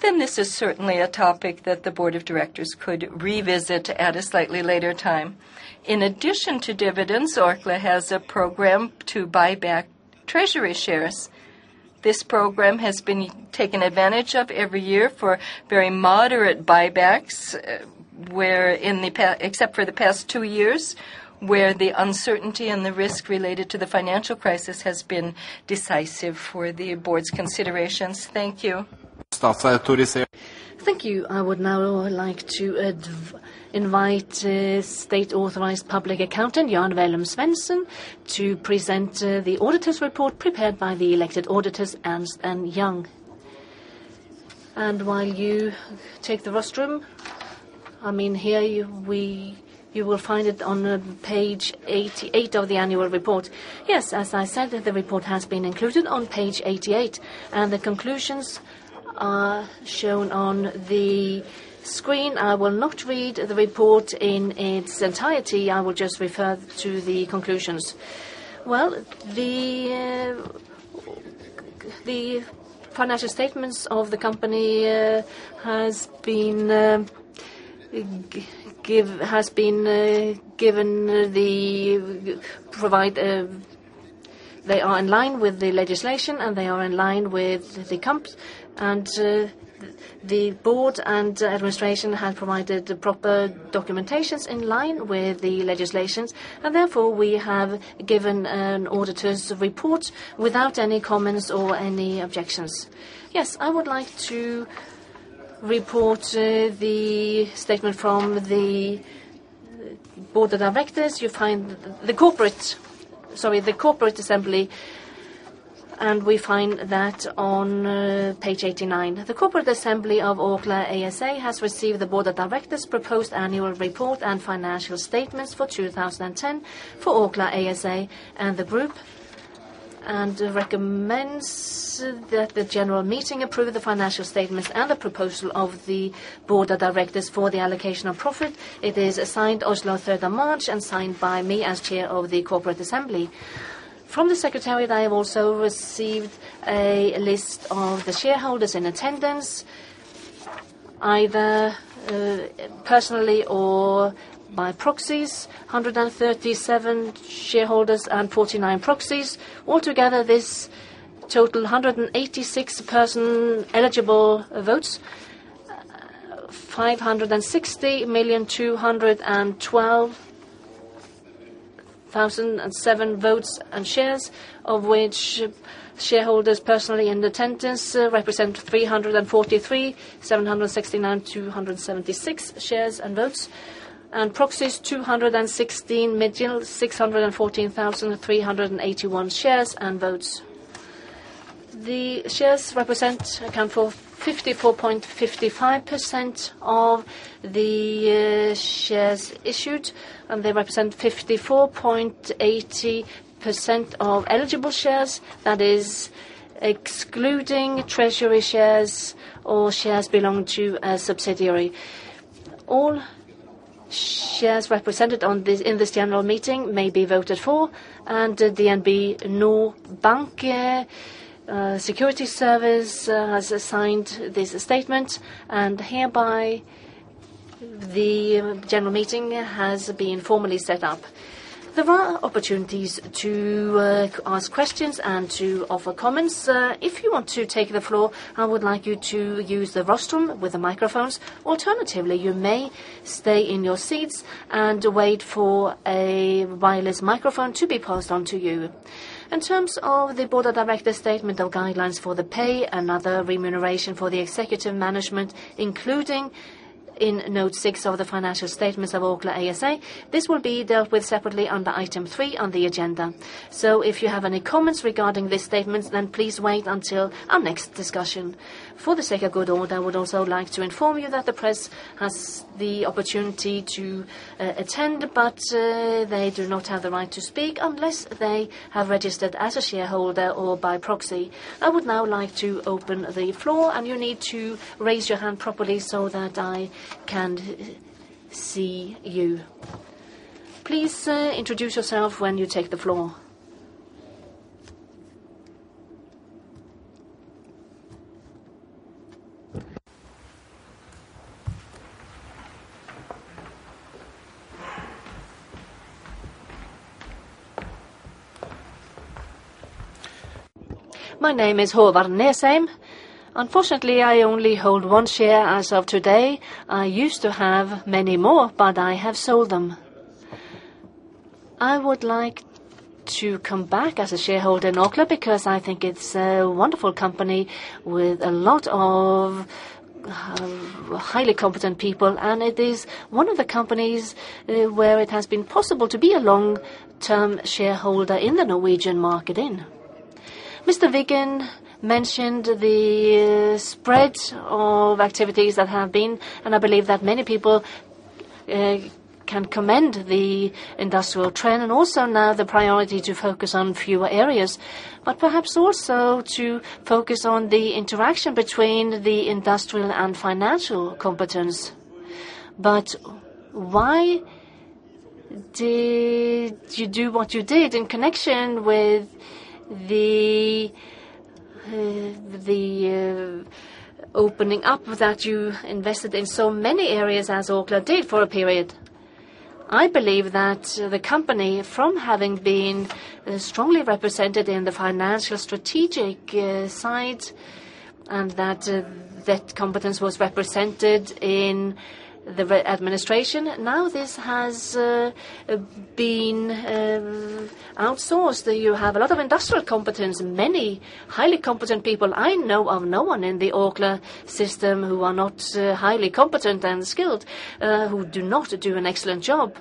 then this is certainly a topic that the board of directors could revisit at a slightly later time. In addition to dividends, Orkla has a program to buy back treasury shares. This program has been taken advantage of every year for very moderate buybacks, except for the past 2 years, where the uncertainty and the risk related to the financial crisis has been decisive for the board's considerations. Thank you. Thank you. I would now like to invite State Authorized Public Accountant, Jan Wellum Svensen, to present the auditor's report prepared by the elected auditors, Ernst & Young. While you take the restroom, I mean, here you will find it on page 88 of the annual report. As I said, that the report has been included on page 88, and the conclusions are shown on the screen. I will not read the report in its entirety, I will just refer to the conclusions. Well, the financial statements of the company has been given the provide, they are in line with the legislation, and they are in line with the comps. The board and administration have provided the proper documentations in line with the legislations, and therefore, we have given an auditor's report without any comments or any objections. I would like to report the statement from the board of directors. You find the Corporate, sorry, the Corporate Assembly, and we find that on page 89. The Corporate Assembly of Aker ASA has received the Board of Directors' proposed annual report and financial statements for 2010 for Aker ASA and the group, and recommends that the General Meeting approve the financial statements and the proposal of the Board of Directors for the allocation of profit. It is signed Oslo, 3rd of March, and signed by me as chair of the Corporate Assembly. From the secretariat, I have also received a list of the shareholders in attendance, either personally or by proxies, 137 shareholders and 49 proxies. Altogether, this total 186 person eligible votes, 560,212,007 votes and shares, of which shareholders personally in attendance represent 343,769,276 shares and votes, and proxies, 216,614,381 shares and votes. The shares represent, account for 54.55% of the shares issued, and they represent 54.80% of eligible shares. That is excluding treasury shares or shares belonging to a subsidiary. All shares represented on this, in this general meeting may be voted for. DnB NOR Bank Verdipapirservice has assigned this statement, and hereby, the general meeting has been formally set up. There are opportunities to ask questions and to offer comments. If you want to take the floor, I would like you to use the restroom with the microphones. Alternatively, you may stay in your seats and wait for a wireless microphone to be passed on to you. In terms of the board of directors statement of guidelines for the pay and other remuneration for the executive management, including in note 6 of the financial statements of Aker ASA, this will be dealt with separately under item 3 on the agenda. If you have any comments regarding this statement, then please wait until our next discussion. For the sake of good order, I would also like to inform you that the press has the opportunity to attend, but they do not have the right to speak unless they have registered as a shareholder or by proxy. I would now like to open the floor. You need to raise your hand properly so that I can see you. Please introduce yourself when you take the floor. My name is Håvard Nesheim. Unfortunately, I only hold 1 share as of today. I used to have many more, I have sold them. I would like to come back as a shareholder in Aker because I think it's a wonderful company with a lot of highly competent people, and it is one of the companies where it has been possible to be a long-term shareholder in the Norwegian market in. Wiggen mentioned the spread of activities that have been, and I believe that many people can commend the industrial trend and also now the priority to focus on fewer areas, but perhaps also to focus on the interaction between the industrial and financial competence. Why did you do what you did in connection with the opening up that you invested in so many areas as Aker did for a period? I believe that the company, from having been strongly represented in the financial strategic side, and that competence was represented in the re-administration. This has been outsourced. You have a lot of industrial competence, many highly competent people. I know of no one in the Aker system who are not highly competent and skilled, who do not do an excellent job.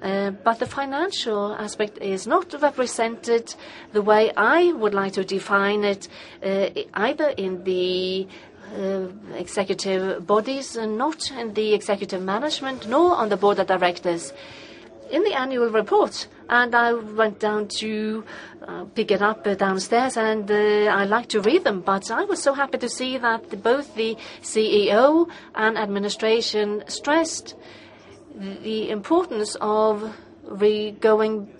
The financial aspect is not represented the way I would like to define it, either in the executive bodies and not in the executive management, nor on the board of directors. In the annual report, and I went down to pick it up downstairs, and I like to read them, but I was so happy to see that both the CEO and administration stressed the importance of going back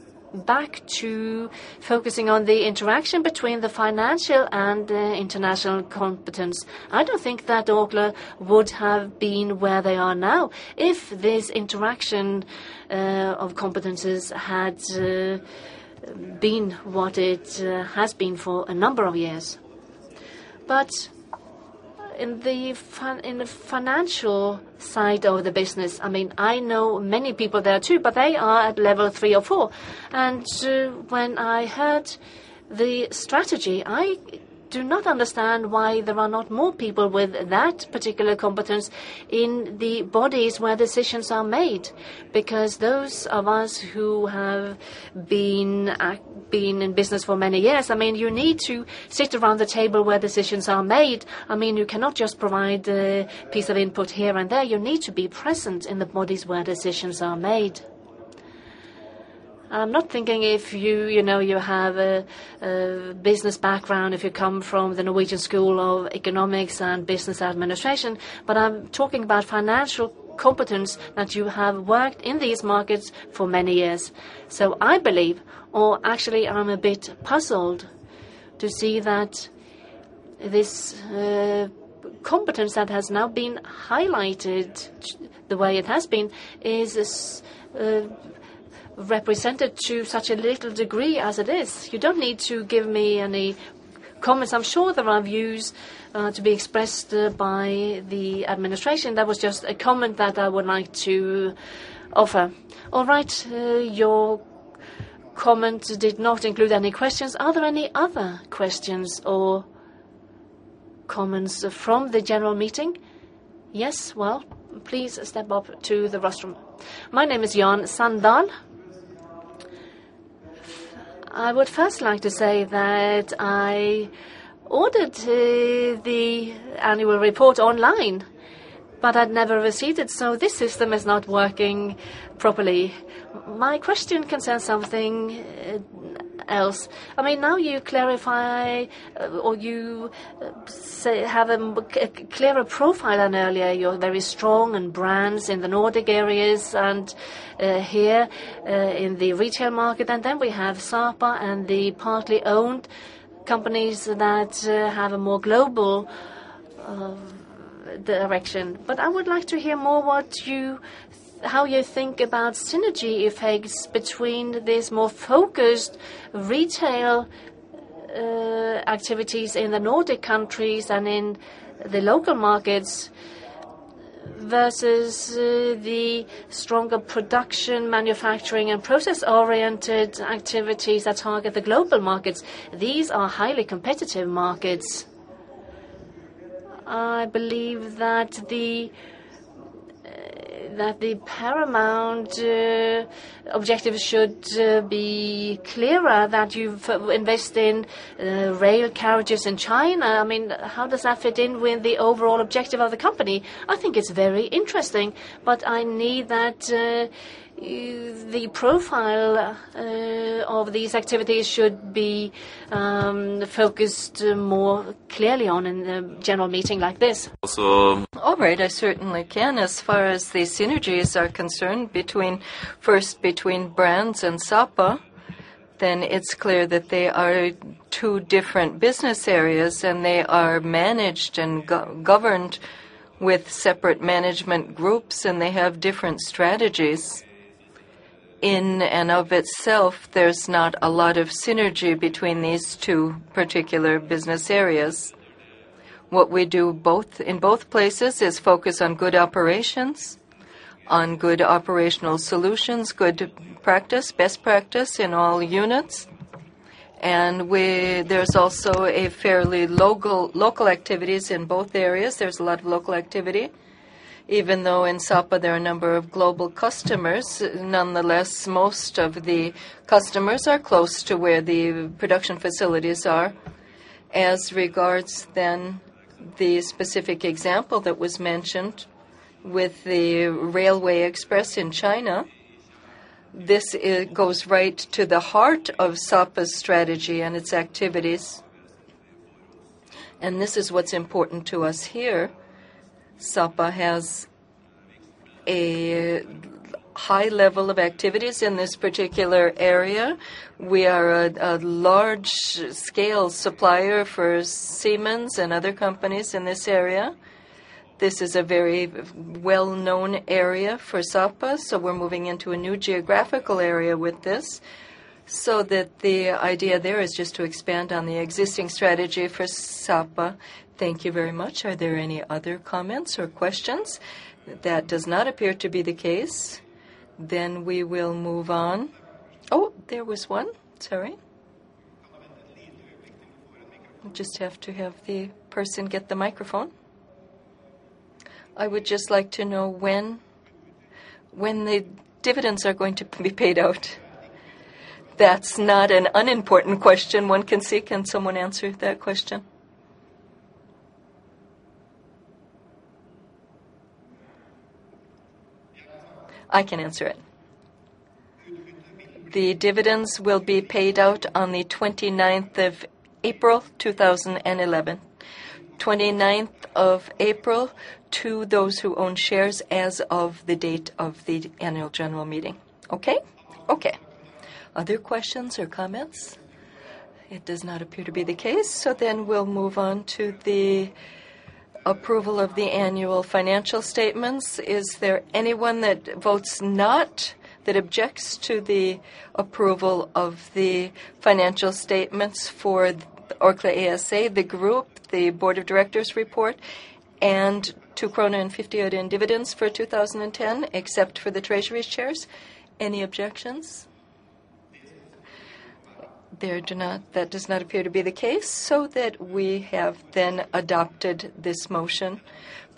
to focusing on the interaction between the financial and international competence. I don't think that Orkla would have been where they are now if this interaction of competencies had been what it has been for a number of years. In the financial side of the business, I mean, I know many people there, too, but they are at level 3 or 4. When I heard the strategy, I do not understand why there are not more people with that particular competence in the bodies where decisions are made. Those of us who have been in business for many years, I mean, you need to sit around the table where decisions are made. I mean, you cannot just provide a piece of input here and there. You need to be present in the bodies where decisions are made. I'm not thinking if you know, you have a business background, if you come from the Norwegian School of Economics and Business Administration, but I'm talking about financial competence, that you have worked in these markets for many years. I believe, or actually, I'm a bit puzzled to see that this competence that has now been highlighted the way it has been, is represented to such a little degree as it is. You don't need to give me any comments. I'm sure there are views to be expressed by the administration. That was just a comment that I would like to offer. All right. Your comment did not include any questions. Are there any other questions or comments from the general meeting? Well, please step up to the restroom. My name is Jan Sandal. I would first like to say that I ordered the annual report online, but I'd never received it, so this system is not working properly. My question concerns something else. I mean, now you clarify or you say, have a clearer profile than earlier. You're very strong in brands in the Nordic areas and here in the retail market. Then we have Sapa and the partly owned companies that have a more global direction. I would like to hear more what you how you think about synergy effects between these more focused retail activities in the Nordic countries and in the local markets, versus the stronger production, manufacturing, and process-oriented activities that target the global markets. These are highly competitive markets. I believe that the paramount objective should be clearer, that you've invest in rail carriages in China. I mean, how does that fit in with the overall objective of the company? I think it's very interesting, but I need that the profile of these activities should be focused more clearly on in a general meeting like this. All right, I certainly can. As far as the synergies are concerned, between, first between Brands and Sapa, it's clear that they are two different business areas. They are managed and governed with separate management groups. They have different strategies. In and of itself, there's not a lot of synergy between these two particular business areas. What we do both, in both places, is focus on good operations, on good operational solutions, good practice, best practice in all units. There's also a fairly local activities in both areas. There's a lot of local activity. Even though in Sapa, there are a number of global customers, nonetheless, most of the customers are close to where the production facilities are. As regards then, the specific example that was mentioned with the railway express in China, this goes right to the heart of Sapa's strategy and its activities. This is what's important to us here. Sapa has a high level of activities in this particular area. We are a large-scale supplier for Siemens and other companies in this area. This is a very well-known area for Sapa, so we're moving into a new geographical area with this. The idea there is just to expand on the existing strategy for Sapa. Thank you very much. Are there any other comments or questions? That does not appear to be the case. We will move on. Oh, there was one. Sorry. We just have to have the person get the microphone. I would just like to know when the dividends are going to be paid out? That's not an unimportant question, one can see. Can someone answer that question? I can answer it. The dividends will be paid out on the 29th of April, 2011. 29th of April, to those who own shares as of the date of the annual general meeting. Okay? Okay. Other questions or comments? It does not appear to be the case, we'll move on to the approval of the annual financial statements. Is there anyone that votes not, that objects to the approval of the financial statements for the Orkla ASA, the group, the board of directors report, and 2.58 krone in dividends for 2010, except for the treasury shares? Any objections? That does not appear to be the case, we have then adopted this motion.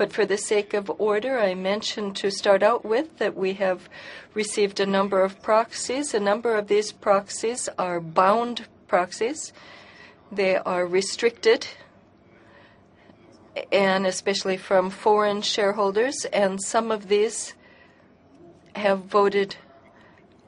For the sake of order, I mentioned to start out with, that we have received a number of proxies. A number of these proxies are bound proxies. They are restricted, and especially from foreign shareholders, and some of these have voted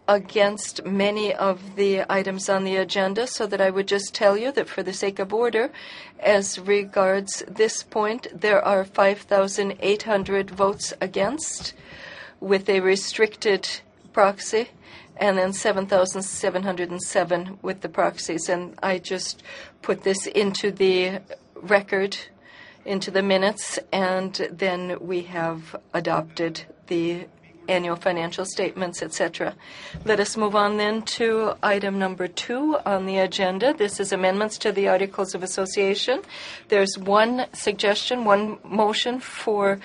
against many of the items on the agenda, so that I would just tell you that for the sake of order, as regards this point, there are 5,800 votes against, with a restricted proxy, and then 7,707 with the proxies. I just put this into the record, into the minutes, then we have adopted the annual financial statements, et cetera. Let us move on then to item number two on the agenda. This is amendments to the Articles of Association. There's one suggestion, one motion for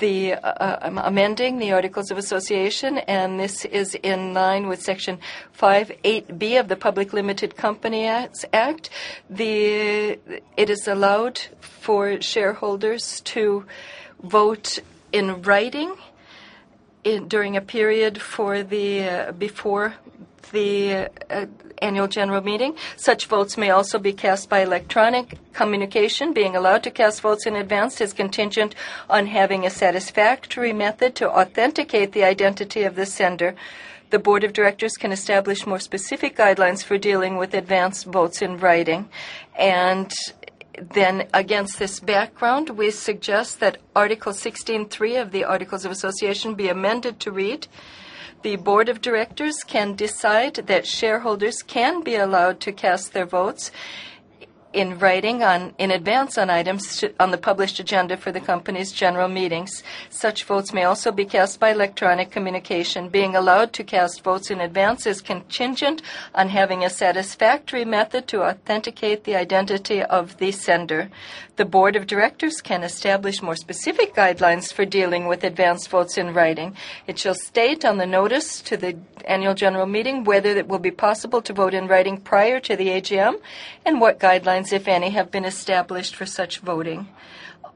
amending the Articles of Association. This is in line with Section 5 8 B of the Public Limited Liability Companies Act. It is allowed for shareholders to vote in writing during a period before the annual general meeting. Such votes may also be cast by electronic communication. Being allowed to cast votes in advance is contingent on having a satisfactory method to authenticate the identity of the sender. The board of directors can establish more specific guidelines for dealing with advanced votes in writing. Against this background, we suggest that Article 16.3 of the Articles of Association be amended to read: The board of directors can decide that shareholders can be allowed to cast their votes in writing, in advance on items on the published agenda for the company's general meetings. Such votes may also be cast by electronic communication. Being allowed to cast votes in advance is contingent on having a satisfactory method to authenticate the identity of the sender. The board of directors can establish more specific guidelines for dealing with advanced votes in writing. It shall state on the notice to the annual general meeting, whether it will be possible to vote in writing prior to the AGM, and what guidelines, if any, have been established for such voting.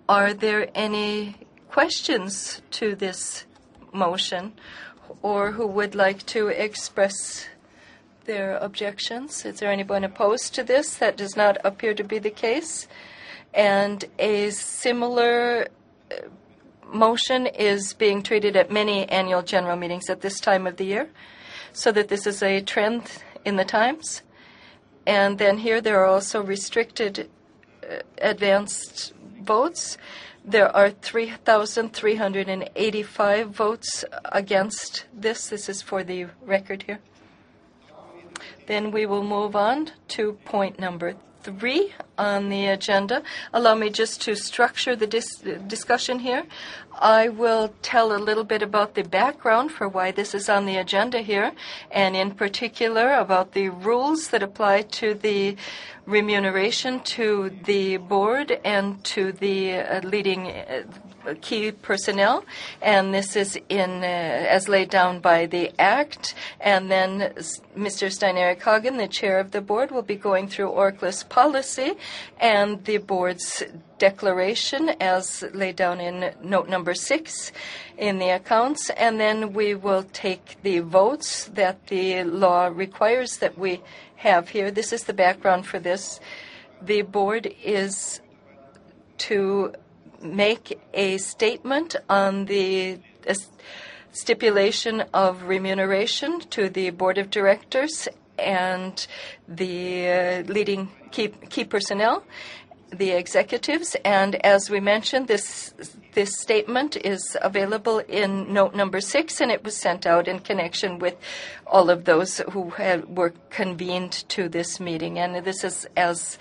Are there any questions to this motion, or who would like to express their objections? Is there anyone opposed to this? That does not appear to be the case. A similar motion is being treated at many annual general meetings at this time of the year, so that this is a trend in the times. Here, there are also restricted advanced votes. There are 3,385 votes against this. This is for the record here. We will move on to point number three on the agenda. Allow me just to structure the discussion here. I will tell a little bit about the background for why this is on the agenda here, and in particular, about the rules that apply to the remuneration to the board and to the leading key personnel, and this is in as laid down by the Act. Mr. Stein Erik Hagen, the chair of the board, will be going through Orkla's policy and the board's declaration, as laid down in note 6 in the accounts. Then we will take the votes that the law requires that we have here. This is the background for this. The board is to make a statement on the stipulation of remuneration to the board of directors and the leading key personnel, the executives. As we mentioned, this statement is available in note 6, and it was sent out in connection with all of those who were convened to this meeting. This is as.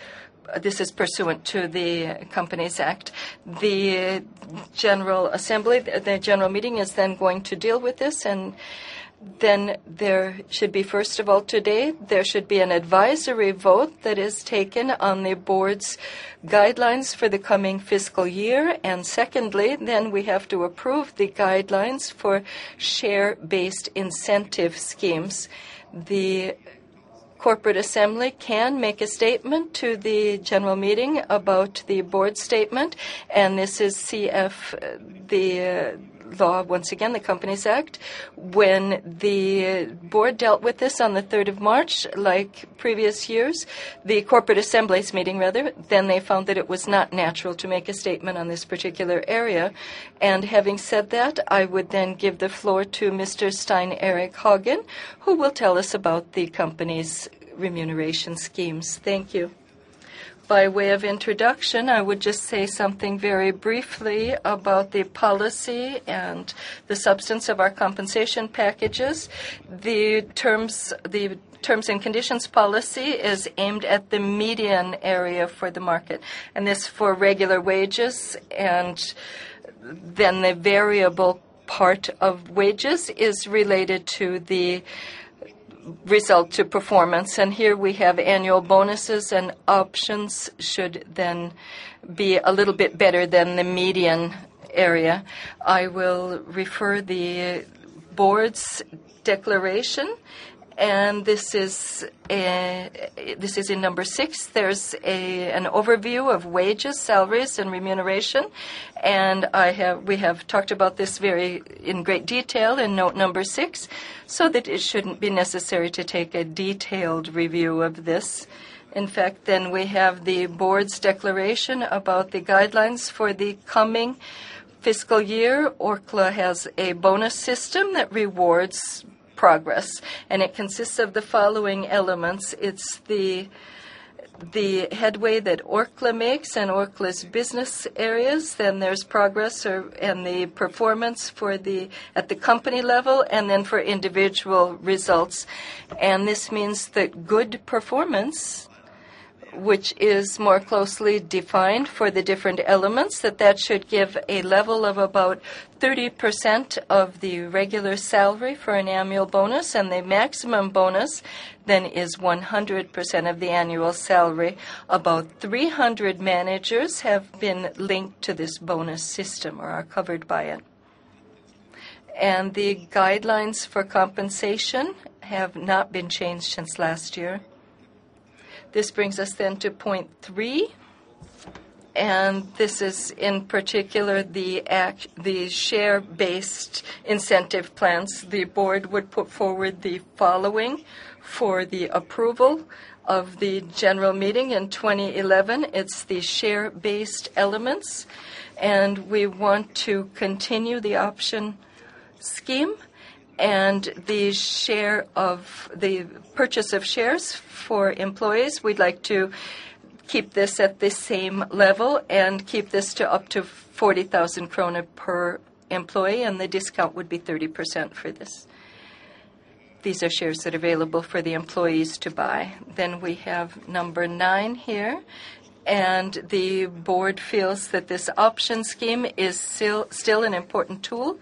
This is pursuant to the Companies Act. The general assembly, the general meeting, is then going to deal with this, and then there should be, first of all, today, there should be an advisory vote that is taken on the board's guidelines for the coming fiscal year. Secondly, then we have to approve the guidelines for share-based incentive schemes. The corporate assembly can make a statement to the general meeting about the board statement, and this is CF, the law, once again, the Companies Act. When the board dealt with this on the third of March, like previous years, the corporate assemblies meeting rather, then they found that it was not natural to make a statement on this particular area. Having said that, I would then give the floor to Mr. Stein Erik Hagen, who will tell us about the company's remuneration schemes. Thank you. By way of introduction, I would just say something very briefly about the policy and the substance of our compensation packages. The terms and conditions policy is aimed at the median area for the market, and this is for regular wages, and then the variable part of wages is related to the result, to performance. Here we have annual bonuses, and options should then be a little bit better than the median area. I will refer the board's declaration, and this is in number 6. There's an overview of wages, salaries, and remuneration. We have talked about this very, in great detail in note number 6, so that it shouldn't be necessary to take a detailed review of this. In fact, we have the board's declaration about the guidelines for the coming fiscal year. Orkla has a bonus system that rewards progress. It consists of the following elements. It's the headway that Orkla makes and Orkla's business areas, then there's progress and the performance at the company level, and then for individual results. This means that good performance, which is more closely defined for the different elements, that should give a level of about 30% of the regular salary for an annual bonus, and the maximum bonus then is 100% of the annual salary. About 300 managers have been linked to this bonus system or are covered by it. The guidelines for compensation have not been changed since last year. This brings us then to point 3, and this is in particular, the share-based incentive plans. The board would put forward the following for the approval of the general meeting in 2011. It's the share-based elements. We want to continue the option scheme and the share of the purchase of shares for employees. We'd like to keep this at the same level and keep this to up to 40,000 krone per employee, and the discount would be 30% for this. These are shares that are available for the employees to buy. We have number nine here, and the board feels that this option scheme is still an important tool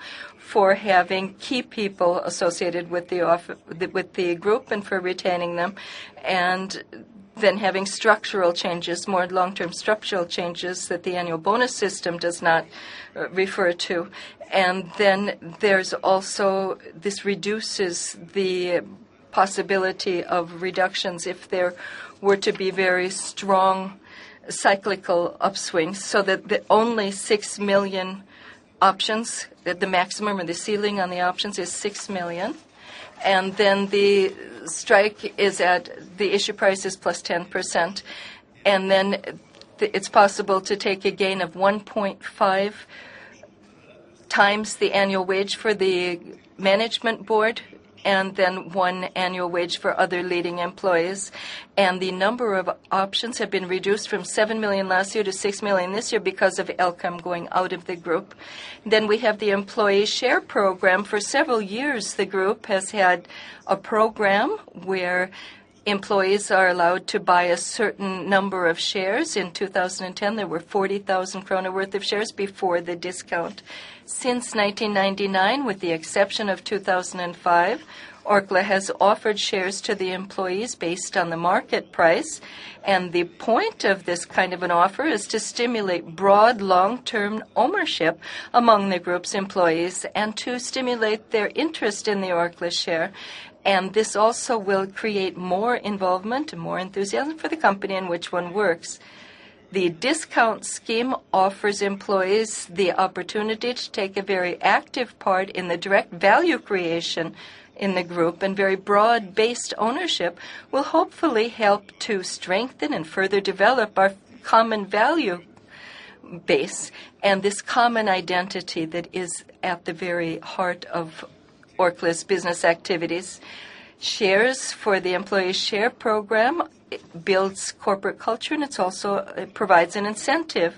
for having key people associated with the group and for retaining them, and then having structural changes, more long-term structural changes that the annual bonus system does not refer to. This reduces the possibility of reductions if there were to be very strong cyclical upswings, so that the only 6 million options, that the maximum or the ceiling on the options is 6 million. The issue price is +10%, and then it's possible to take a gain of 1.5 times the annual wage for the management board, and then 1 annual wage for other leading employees. The number of options have been reduced from 7 million last year to 6 million this year because of Elkem going out of the group. We have the employee share program. For several years, the group has had a program where employees are allowed to buy a certain number of shares. In 2010, there were 40,000 krone worth of shares before the discount. Since 1999, with the exception of 2005, Orkla has offered shares to the employees based on the market price. The point of this kind of an offer is to stimulate broad, long-term ownership among the group's employees and to stimulate their interest in the Orkla share, and this also will create more involvement and more enthusiasm for the company in which one works. The discount scheme offers employees the opportunity to take a very active part in the direct value creation in the group, and very broad-based ownership will hopefully help to strengthen and further develop our common value base and this common identity that is at the very heart of Orkla's business activities. Shares for the employee share program, it builds corporate culture, and it's also, it provides an incentive.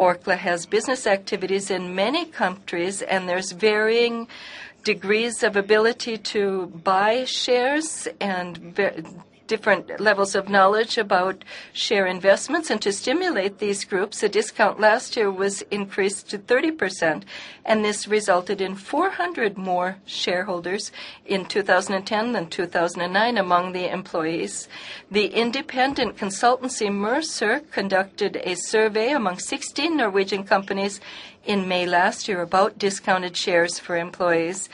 Orkla has business activities in many countries, there's varying degrees of ability to buy shares and different levels of knowledge about share investments. To stimulate these groups, the discount last year was increased to 30%, this resulted in 400 more shareholders in 2010 than 2009 among the employees. The independent consultancy, Mercer, conducted a survey among 16 Norwegian companies in May last year, about discounted shares for employees.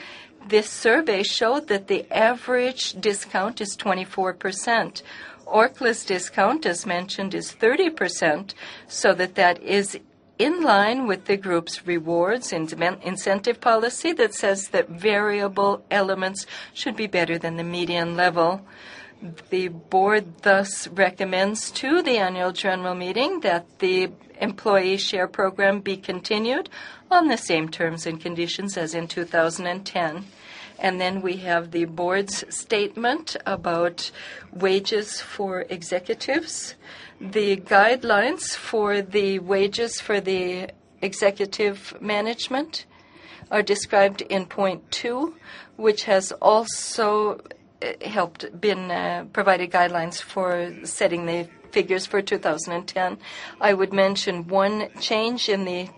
This survey showed that the average discount is 24%. Orkla's discount, as mentioned, is 30%, so that that is in line with the group's rewards and incentive policy, that says that variable elements should be better than the median level. The board thus recommends to the annual general meeting, that the employee share program be continued on the same terms and conditions as in 2010. Then we have the board's statement about wages for executives. The guidelines for the wages for the executive management are described in point two, which has also been provided guidelines for setting the figures for 2010. I would mention 1 change in the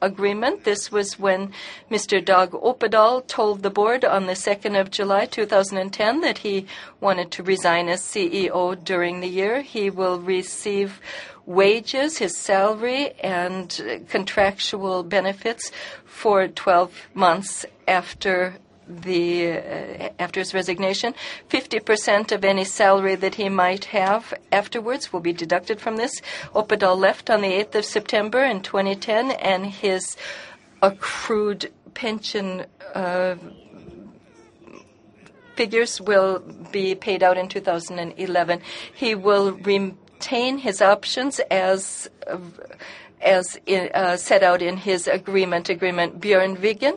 agreement. This was when Mr. Dag Opedal told the board on the 2nd of July, 2010, that he wanted to resign as CEO during the year. He will receive wages, his salary, and contractual benefits for 12 months after his resignation. 50% of any salary that he might have afterwards, will be deducted from this. Opedal left on the 8th of September in 2010, and his accrued pension figures will be paid out in 2011. He will retain his options as set out in his agreement. Bjørn Wiggen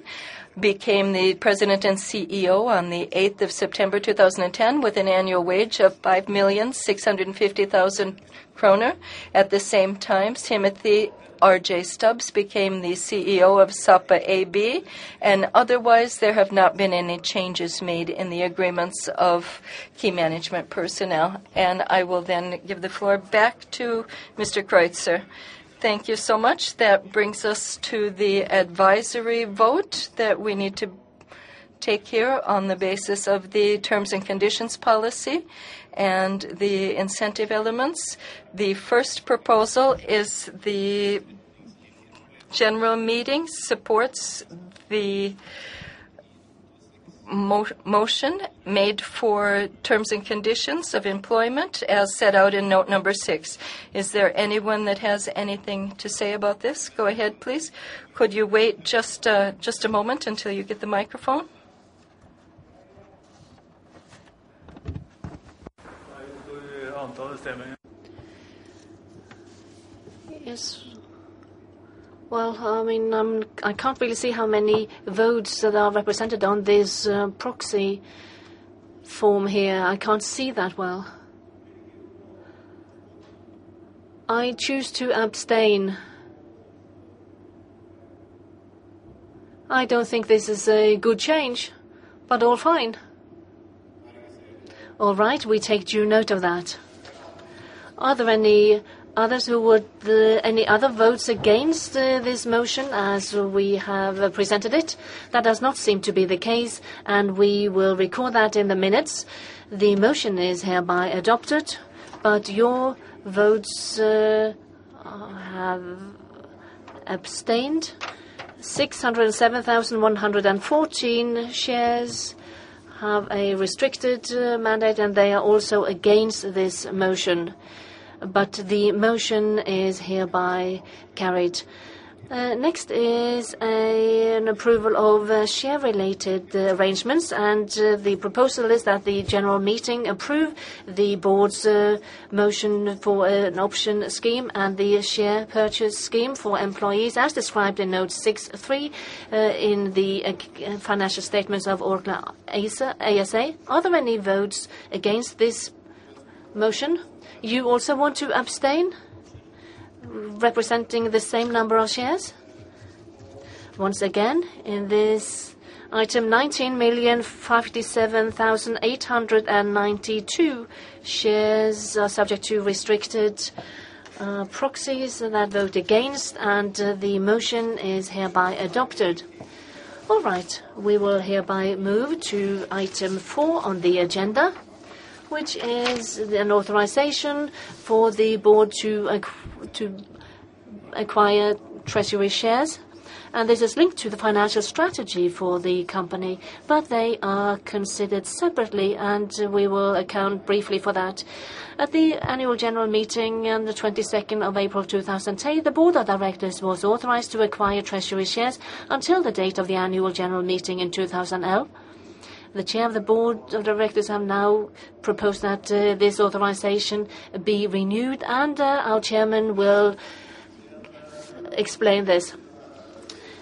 became the President and CEO on the 8th of September, 2010, with an annual wage of 5,650,000 kroner. At the same time, Timothy R.J. Stubbs became the CEO of Sapa AB. Otherwise, there have not been any changes made in the agreements of key management personnel. I will give the floor back to Mr. Kreutzer. Thank you so much. That brings us to the advisory vote that we need to take here on the basis of the terms and conditions policy and the incentive elements. The first proposal is the general meeting supports the motion made for terms and conditions of employment, as set out in note 6. Is there anyone that has anything to say about this? Go ahead, please. Could you wait just a moment until you get the microphone? Yes. I mean, I can't really see how many votes that are represented on this proxy form here. I can't see that well. I choose to abstain. I don't think this is a good change, but all fine. All right, we take due note of that. Are there any others who would. Any other votes against this motion, as we have presented it? That does not seem to be the case, and we will record that in the minutes. The motion is hereby adopted, but your votes have abstained. 607,114 shares have a restricted mandate, and they are also against this motion, but the motion is hereby carried. Next is an approval of share-related arrangements, and the proposal is that the General Meeting approve the Board's motion for an option scheme and the share purchase scheme for employees, as described in note 63 in the financial statements of Orkla ASA. Are there any votes against this motion? You also want to abstain, representing the same number of shares? Once again, in this item, 19,057,892 shares are subject to restricted proxies, and that vote against. The motion is hereby adopted. All right. We will hereby move to item 4 on the agenda, which is an authorization for the Board to acquire treasury shares. This is linked to the financial strategy for the company, but they are considered separately. We will account briefly for that. At the annual general meeting on the 22nd of April, 2010, the Board of Directors was authorized to acquire treasury shares until the date of the annual general meeting in 2011. The Chair of the Board of Directors have now proposed that this authorization be renewed. Our Chairman will explain this.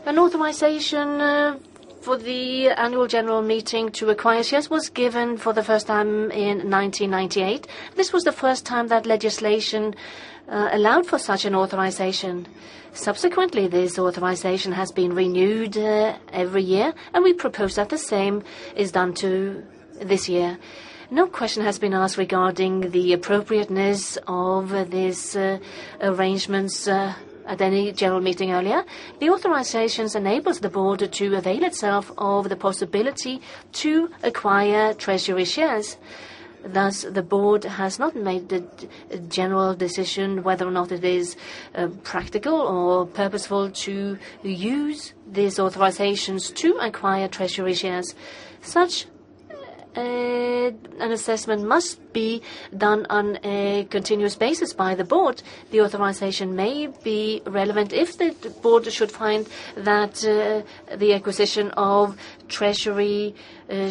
An authorization for the annual general meeting to acquire shares, was given for the first time in 1998. This was the first time that legislation allowed for such an authorization. Subsequently, this authorization has been renewed every year, and we propose that the same is done to this year. No question has been asked regarding the appropriateness of these arrangements at any general meeting earlier. The authorizations enables the board to avail itself of the possibility to acquire treasury shares. Thus, the board has not made the general decision whether or not it is practical or purposeful to use these authorizations to acquire treasury shares. Such an assessment must be done on a continuous basis by the board. The authorization may be relevant if the board should find that the acquisition of treasury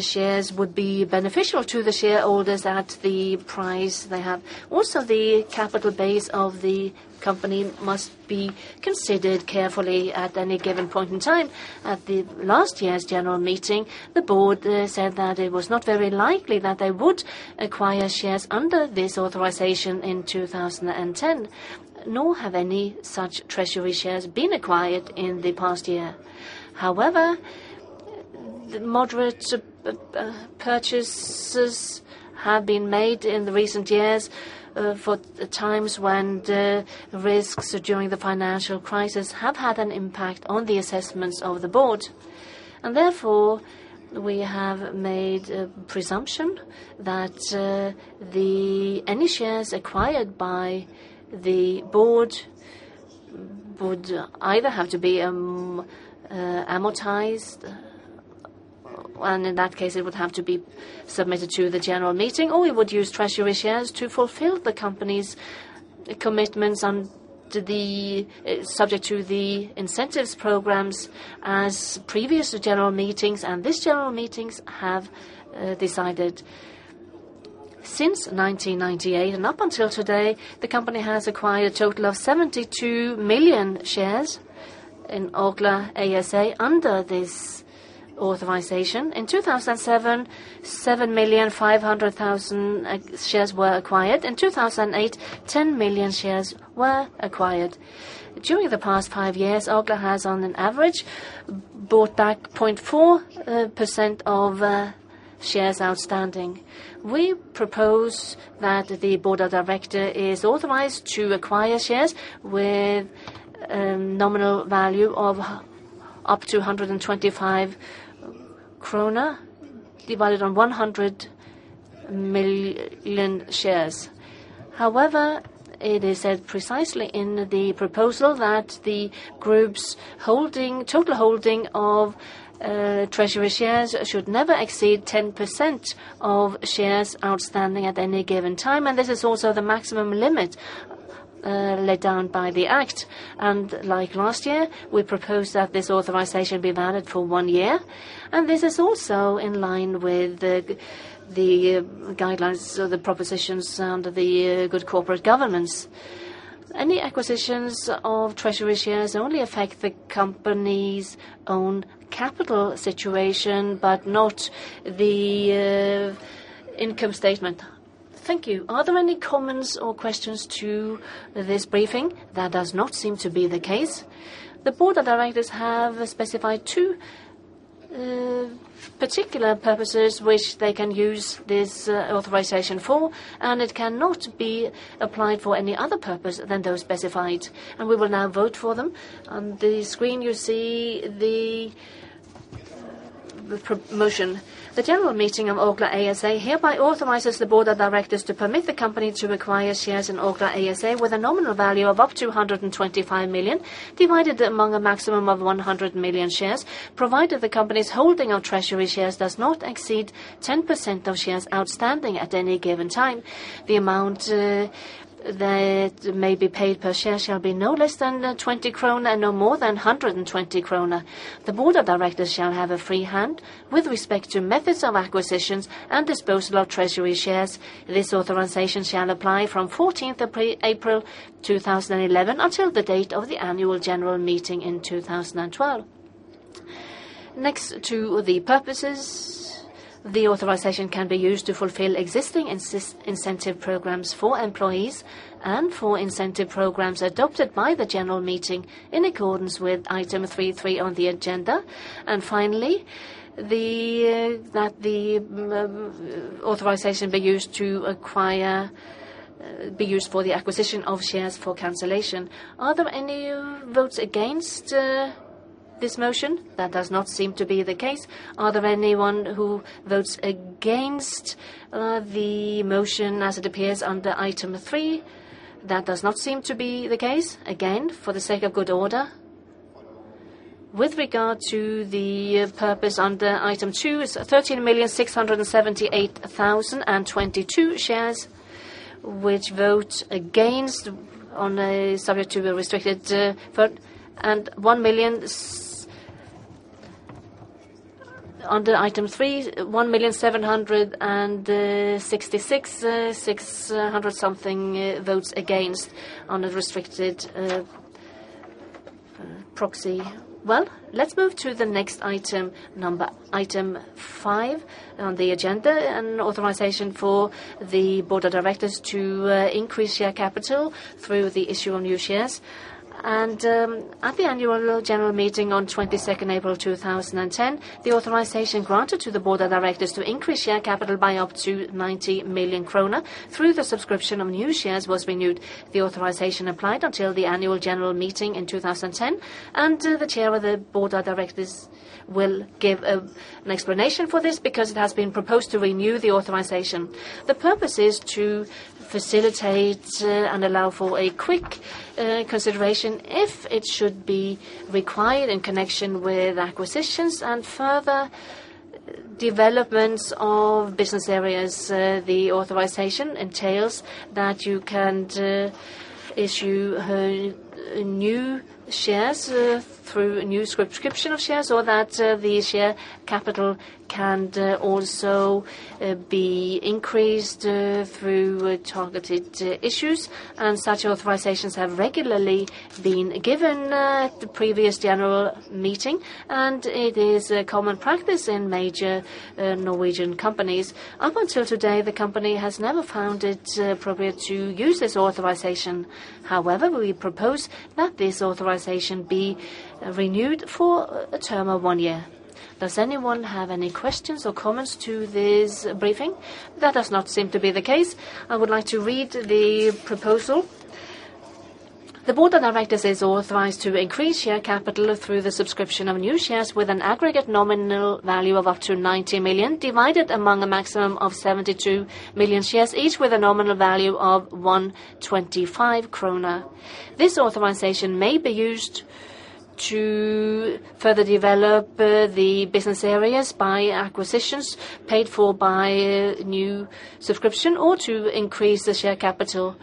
shares would be beneficial to the shareholders at the price they have. Also, the capital base of the company must be considered carefully at any given point in time. At the last year's general meeting, the board said that it was not very likely that they would acquire shares under this authorization in 2010, nor have any such treasury shares been acquired in the past year. However, the moderate purchases have been made in the recent years for the times when the risks during the financial crisis have had an impact on the assessments of the board. Therefore, we have made a presumption that any shares acquired by the board would either have to be amortized, and in that case, it would have to be submitted to the general meeting, or we would use treasury shares to fulfill the company's commitments subject to the incentives programs as previous general meetings and this general meetings have decided. Since 1998 and up until today, the company has acquired a total of 72 million shares in Orkla ASA under this authorization. In 2007, 7.5 million shares were acquired. In 2008, 10 million shares were acquired. During the past five years, Orkla has, on an average, bought back 0.4% of shares outstanding. We propose that the Board of Director is authorized to acquire shares with a nominal value of up to 125 krone, divided on 100 million shares. It is said precisely in the proposal that the group's holding, total holding of treasury shares should never exceed 10% of shares outstanding at any given time, and this is also the maximum limit laid down by the Act. Like last year, we propose that this authorization be valid for one year, and this is also in line with the guidelines or the propositions under the good corporate governance. Any acquisitions of treasury shares only affect the company's own capital situation, but not the income statement. Thank you. Are there any comments or questions to this briefing? That does not seem to be the case. The Board of Directors have specified 2 particular purposes which they can use this authorization for. It cannot be applied for any other purpose than those specified. We will now vote for them. On the screen, you see the promotion. The general meeting of Orkla ASA hereby authorizes the Board of Directors to permit the company to acquire shares in Orkla ASA with a nominal value of up to 125 million, divided among a maximum of 100 million shares, provided the company's holding of treasury shares does not exceed 10% of shares outstanding at any given time. The amount that may be paid per share shall be no less than 20 kroner and no more than 120 kroner. The Board of Directors shall have a free hand with respect to methods of acquisitions and disposal of treasury shares. This authorization shall apply from 14th of April 2011 until the date of the annual general meeting in 2012. Next to the purposes, the authorization can be used to fulfill existing incentive programs for employees and for incentive programs adopted by the general meeting in accordance with item 3.3 on the agenda. Finally, that the authorization be used for the acquisition of shares for cancellation. Are there any votes against this motion? That does not seem to be the case. Are there anyone who votes against the motion as it appears under item 3? That does not seem to be the case. For the sake of good order, with regard to the purpose under item two, is 13,678,022 shares, which vote against on a subject to be restricted, for and under item three, 1,000,766, six hundred something votes against on a restricted proxy. Let's move to the next item number, item five on the agenda, an authorization for the Board of Directors to increase share capital through the issue of new shares. At the annual general meeting on 22nd April 2010, the authorization granted to the board of directors to increase share capital by up to 90 million kroner through the subscription of new shares was renewed. The authorization applied until the annual general meeting in 2010. The chair of the board of directors will give an explanation for this because it has been proposed to renew the authorization. The purpose is to facilitate and allow for a quick consideration if it should be required in connection with acquisitions and further developments of business areas. The authorization entails that you can issue new shares through a new subscription of shares, or that the share capital can also be increased through targeted issues. Such authorizations have regularly been given at the previous general meeting, and it is a common practice in major Norwegian companies. Up until today, the company has never found it appropriate to use this authorization. However, we propose that this authorization be renewed for a term of one year. Does anyone have any questions or comments to this briefing? That does not seem to be the case. I would like to read the proposal. The board of directors is authorized to increase share capital through the subscription of new shares with an aggregate nominal value of up to 90 million, divided among a maximum of 72 million shares, each with a nominal value of 1.25 krone. This authorization may be used to further develop the business areas by acquisitions paid for by new subscription, or to increase the share capital,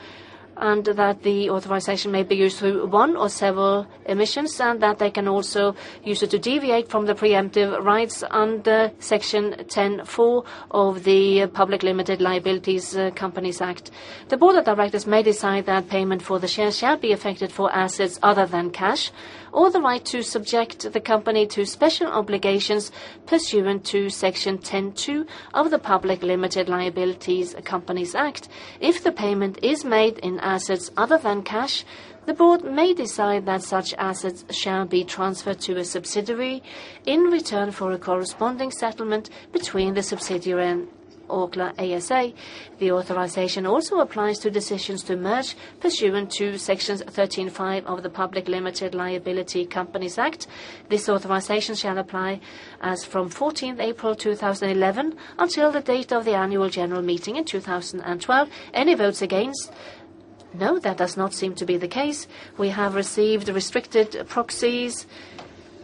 and that the authorization may be used through one or several emissions, and that they can also use it to deviate from the preemptive rights under Section 10, 4 of the Public Limited Liability Companies Act. The board of directors may decide that payment for the shares shall be effected for assets other than cash, or the right to subject the company to special obligations pursuant to Section 10, 2 of the Public Limited Liability Companies Act. If the payment is made in assets other than cash, the board may decide that such assets shall be transferred to a subsidiary in return for a corresponding settlement between the subsidiary and Aker ASA. The authorization also applies to decisions to merge pursuant to Sections 13, 5 of the Public Limited Liability Companies Act. This authorization shall apply as from 14th April 2011, until the date of the annual general meeting in 2012. Any votes against? No, that does not seem to be the case. We have received restricted proxies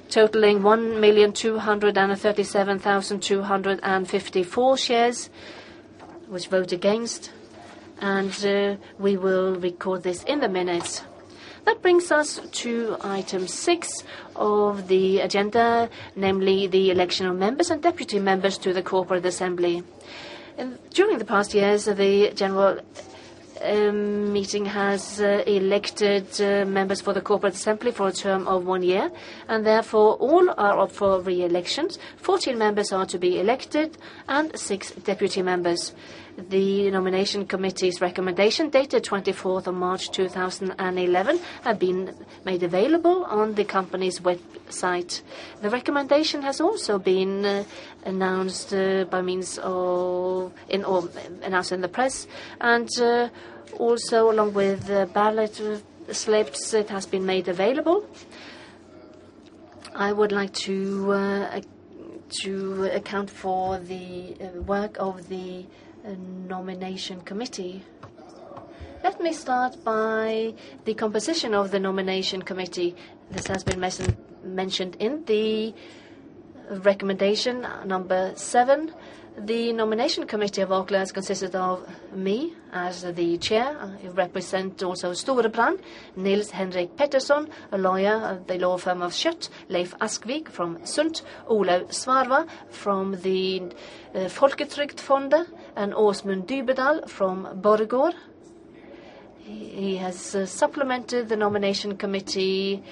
totaling 1,237,254 shares, which vote against, and we will record this in the minutes. That brings us to item 6 of the agenda, namely the election of members and deputy members to the Corporate Assembly. During the past years, the general meeting has elected members for the Corporate Assembly for a term of 1 year, therefore all are up for reelections. 14 members are to be elected and 6 deputy members. The Nomination Committee's recommendation, dated 24th of March 2011, have been made available on the company's website. The recommendation has also been announced. In all, announced in the press, also along with the ballot slips, it has been made available. I would like to account for the work of the Nomination Committee. Let me start by the composition of the Nomination Committee. This has been mentioned in the recommendation number 7. The Nomination Committee of Aker consists of me as the chair. I represent also Storebrand, Nils-Henrik Pettersson, a lawyer of the law firm of Schjødt, Leiv Askvig from Sundt, Olaug Svarva from the Folketrygdfondet, and Åsmund Dybedahl from Borregaard. He has supplemented the Nomination Committee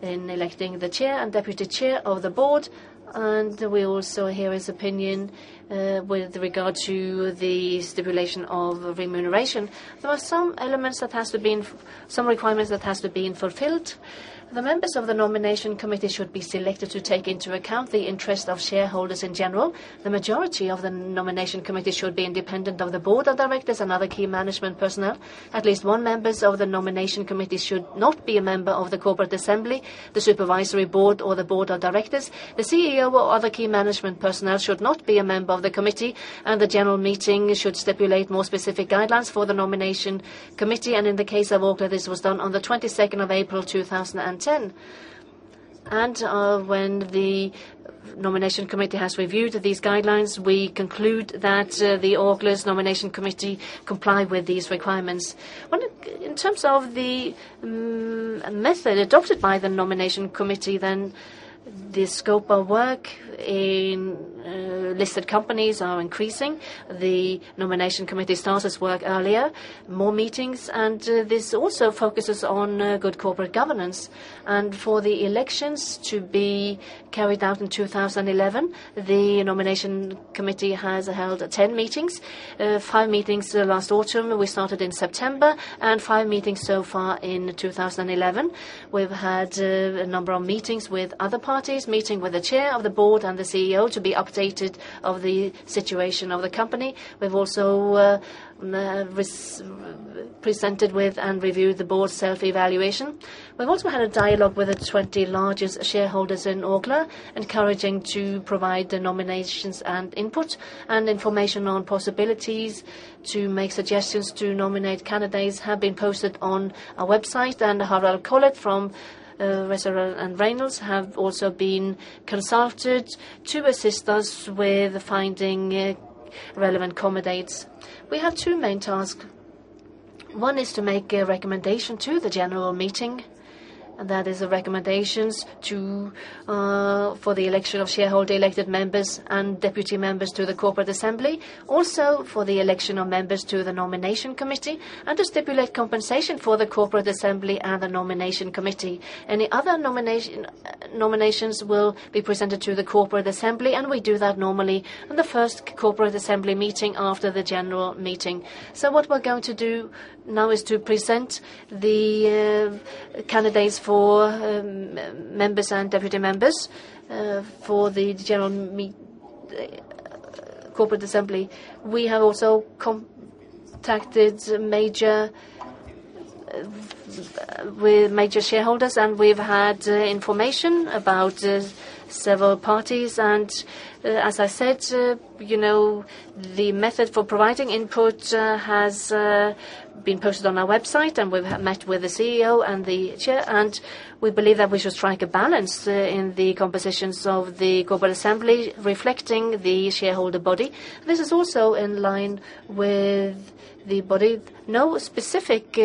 in electing the chair and deputy chair of the board, and we also hear his opinion with regard to the stipulation of remuneration. There are some requirements that has to been fulfilled. The members of the Nomination Committee should be selected to take into account the interest of shareholders in general. The majority of the Nomination Committee should be independent of the board of directors and other key management personnel. At least one members of the Nomination Committee should not be a member of the corporate assembly, the supervisory board, or the board of directors. The CEO or other key management personnel should not be a member of the committee, and the general meeting should stipulate more specific guidelines for the Nomination Committee, and in the case of Aker, this was done on the 22nd of April, 2010. When the Nomination Committee has reviewed these guidelines, we conclude that the Aker's Nomination Committee comply with these requirements. Well, in terms of the method adopted by the Nomination Committee, then the scope of work in listed companies are increasing. The Nomination Committee starts its work earlier, more meetings, this also focuses on good corporate governance. For the elections to be carried out in 2011, the Nomination Committee has held 10 meetings, 5 meetings last autumn. We started in September, and 5 meetings so far in 2011. We've had a number of meetings with other parties, meeting with the Chair of the Board and the CEO to be updated of the situation of the company. We've also presented with and reviewed the board self-evaluation. We've also had a dialogue with the 20 largest shareholders in Orkla, encouraging to provide the nominations and input, and information on possibilities to make suggestions to nominate candidates have been posted on our website. Harald K. Collett from Westerholm and Reynolds, have also been consulted to assist us with finding relevant candidates. We have two main tasks. One is to make a recommendation to the general meeting, and that is the recommendations to for the election of shareholder-elected members and deputy members to the corporate assembly. Also, for the election of members to the nomination committee, and to stipulate compensation for the corporate assembly and the nomination committee. Any other nominations will be presented to the corporate assembly, and we do that normally on the first corporate assembly meeting after the general meeting. What we're going to do now is to present the candidates for members and deputy members for the corporate assembly. We have also contacted major shareholders, and we've had information about several parties. As I said, you know, the method for providing input has been posted on our website. We've met with the CEO and the chair. We believe that we should strike a balance in the compositions of the corporate assembly, reflecting the shareholder body. This is also in line with the body. No specific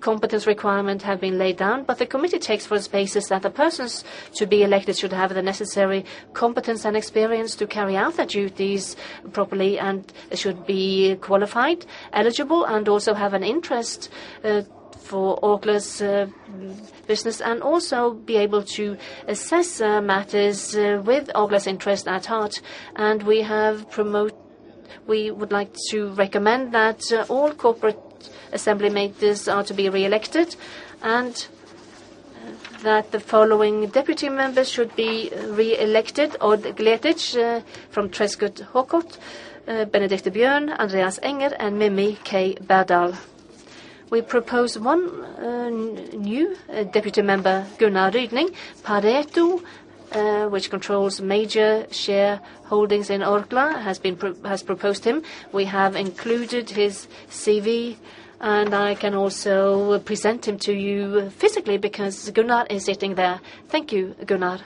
competence requirement have been laid down. The committee takes for the spaces that the persons to be elected should have the necessary competence and experience to carry out their duties properly and should be qualified, eligible, and also have an interest for Orkla's business, and also be able to assess matters with Orkla's interest at heart. We would like to recommend that all corporate assembly members are to be reelected, and that the following deputy members should be reelected: Odd Gleditsch from Treschow-Fritzøe, Benedikte Bjørn, Andreas Enger, and Mimi K. Berdal. We propose 1 new deputy member, Gunnar Rydning. Pareto, which controls major shareholdings in Agla, has proposed him. We have included his CV, and I can also present him to you physically, because Gunnar is sitting there. Thank you, Gunnar.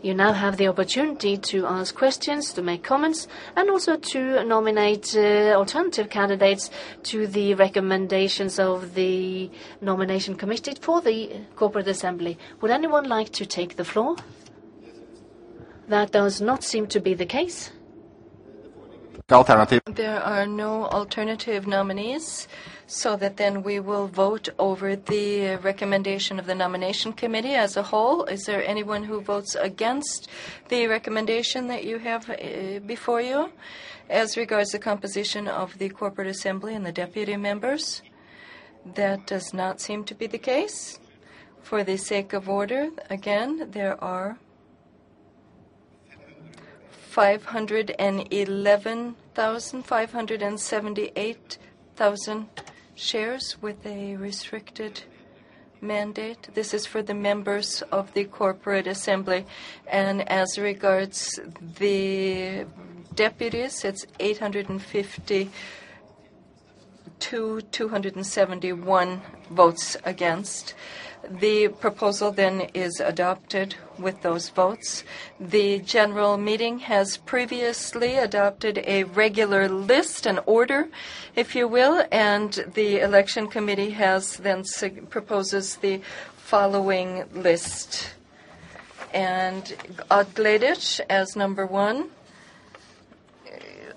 You now have the opportunity to ask questions, to make comments, and also to nominate alternative candidates to the recommendations of the nomination committee for the corporate assembly. Would anyone like to take the floor? That does not seem to be the case. The alternative. There are no alternative nominees. We will vote over the recommendation of the nomination committee as a whole. Is there anyone who votes against the recommendation that you have before you, as regards the composition of the corporate assembly and the deputy members? That does not seem to be the case. For the sake of order, again, there are 511,000, 578,000 shares with a restricted mandate. This is for the members of the corporate assembly, and as regards the deputies, it's 850 to 271 votes against. The proposal is adopted with those votes. The general meeting has previously adopted a regular list, an order, if you will. The election committee has proposes the following list. Odd Gleditsch as number one,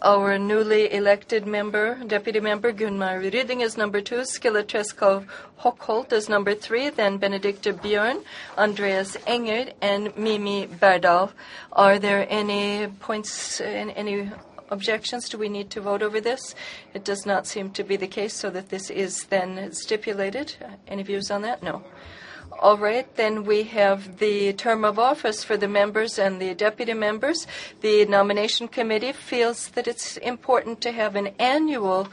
our newly elected member, Deputy Member Gunnar Rydning as number two, Mille-Marie Treschow as number three, Benedikte Bjørn, Andreas Enger, and Mimi Berdal. Are there any points, any objections? Do we need to vote over this? It does not seem to be the case, so that this is then stipulated. Any views on that? No. All right, we have the term of office for the members and the deputy members. The Nomination Committee feels that it's important to have an annual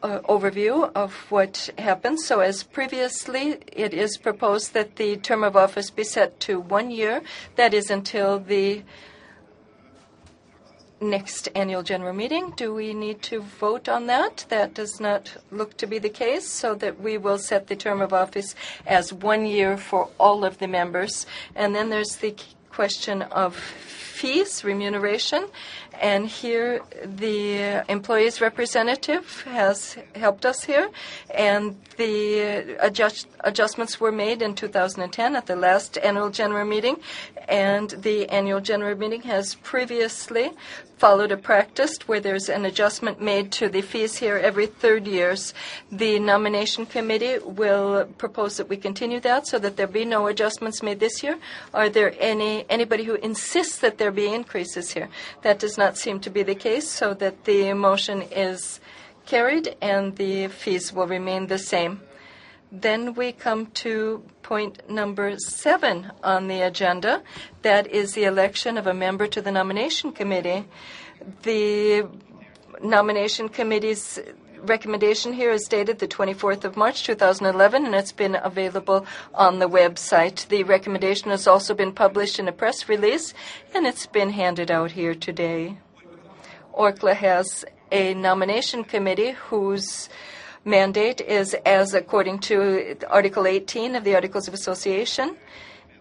overview of what happens. As previously, it is proposed that the term of office be set to one year. That is until the next annual general meeting. Do we need to vote on that? That does not look to be the case, so that we will set the term of office as 1 year for all of the members. Then there's the question of. fees, remuneration, and here, the employees' representative has helped us here, and the adjustments were made in 2010 at the last annual general meeting, and the annual general meeting has previously followed a practice where there's an adjustment made to the fees here every third years. The Nomination Committee will propose that we continue that, so that there'll be no adjustments made this year. Are there anybody who insists that there be increases here? That does not seem to be the case, so that the motion is carried, and the fees will remain the same. We come to point 7 on the agenda. That is the election of a member to the Nomination Committee. The Nomination Committee's recommendation here is dated the 24th of March, 2011, and it's been available on the website. The recommendation has also been published in a press release. It's been handed out here today. Orkla has a nomination committee whose mandate is as according to Article 18 of the Articles of Association.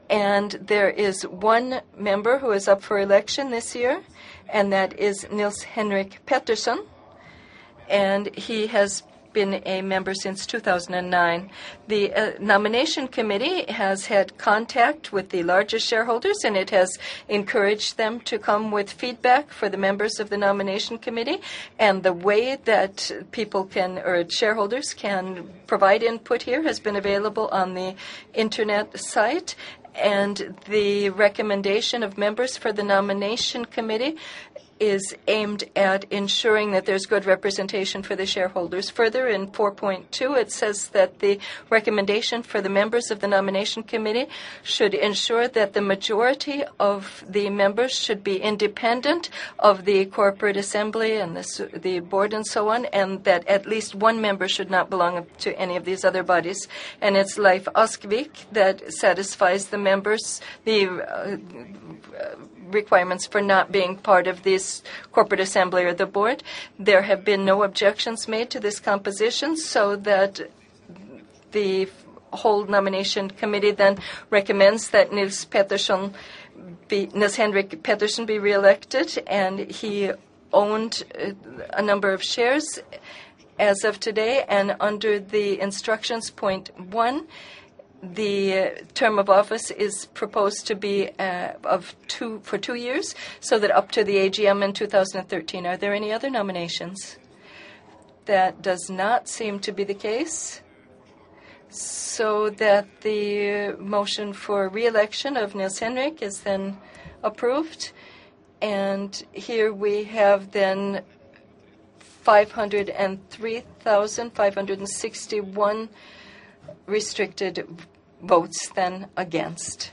There is one member who is up for election this year, and that is Nils-Henrik Pettersson, and he has been a member since 2009. The nomination committee has had contact with the largest shareholders. It has encouraged them to come with feedback for the members of the nomination committee, and the way that shareholders can provide input here, has been available on the Internet site. The recommendation of members for the nomination committee is aimed at ensuring that there's good representation for the shareholders. In 4.2, it says that the recommendation for the members of the Nomination Committee should ensure that the majority of the members should be independent of the Corporate Assembly and the board and so on, and that at least one member should not belong up to any of these other bodies. It's Leiv Askvig that satisfies the members. The requirements for not being part of this Corporate Assembly or the board. There have been no objections made to this composition. The whole Nomination Committee then recommends that Nils-Henrik Pettersson be re-elected. He owned a number of shares as of today. Under the instructions point 1, the term of office is proposed to be for 2 years, up to the AGM in 2013. Are there any other nominations? That does not seem to be the case, so that the motion for re-election of Nils Henrik is then approved, and here we have then 503,561 restricted votes then against.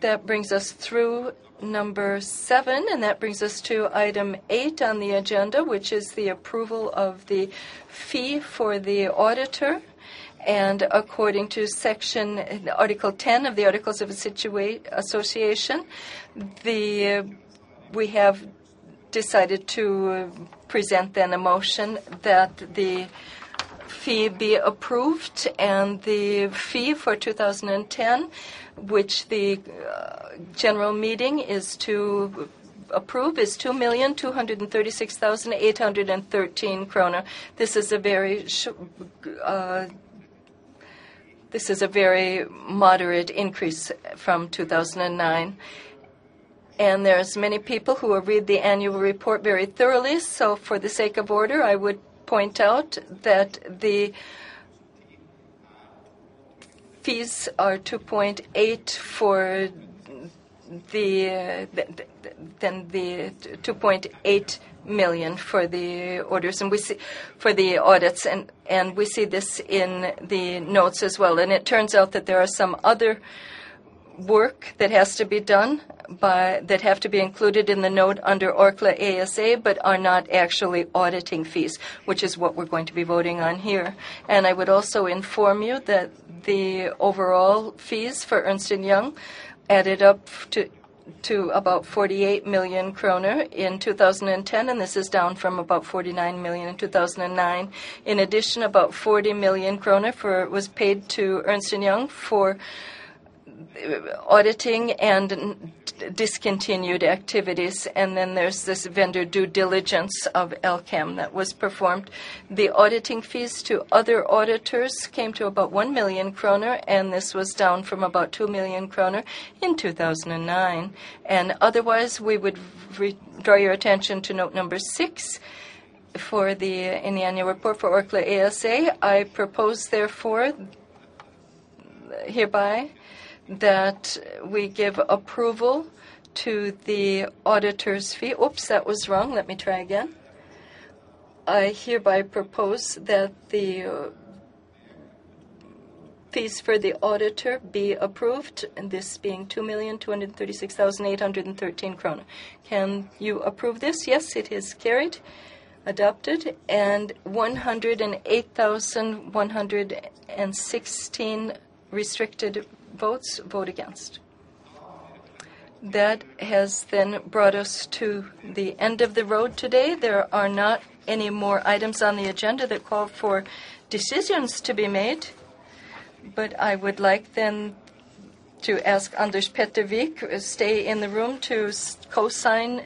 That brings us through number 7, and that brings us to item 8 on the agenda, which is the approval of the fee for the auditor. According to section, Article 10 of the Articles of Association, we have decided to present then a motion that the fee be approved, and the fee for 2010, which the general meeting is to approve, is 2,236,813 kroner. This is a very moderate increase from 2009. There's many people who will read the annual report very thoroughly, so for the sake of order, I would point out that the fees are 2.8 than the 2.8 million for the orders, for the audits, and we see this in the notes as well. It turns out that there are some other work that has to be done that have to be included in the note under Orkla ASA, but are not actually auditing fees, which is what we're going to be voting on here. I would also inform you that the overall fees for Ernst & Young added up to about 48 million kroner in 2010, and this is down from about 49 million in 2009. In addition, about 40 million kroner was paid to Ernst & Young for auditing and discontinued activities, and then there's this vendor due diligence of Elkem that was performed. The auditing fees to other auditors came to about 1 million kroner, and this was down from about 2 million kroner in 2009. Otherwise, we would draw your attention to note number 6 in the annual report for Orkla ASA. I propose, therefore, hereby, that we give approval to the auditor's fee. That was wrong. Let me try again. I hereby propose that the fees for the auditor be approved, and this being 2,236,813 kroner. Can you approve this? Yes, it is carried, adopted, and 108,116 restricted votes vote against. That has then brought us to the end of the road today. There are not any more items on the agenda that call for decisions to be made. I would like then to ask Anders Petter Vikhals to stay in the room to co-sign.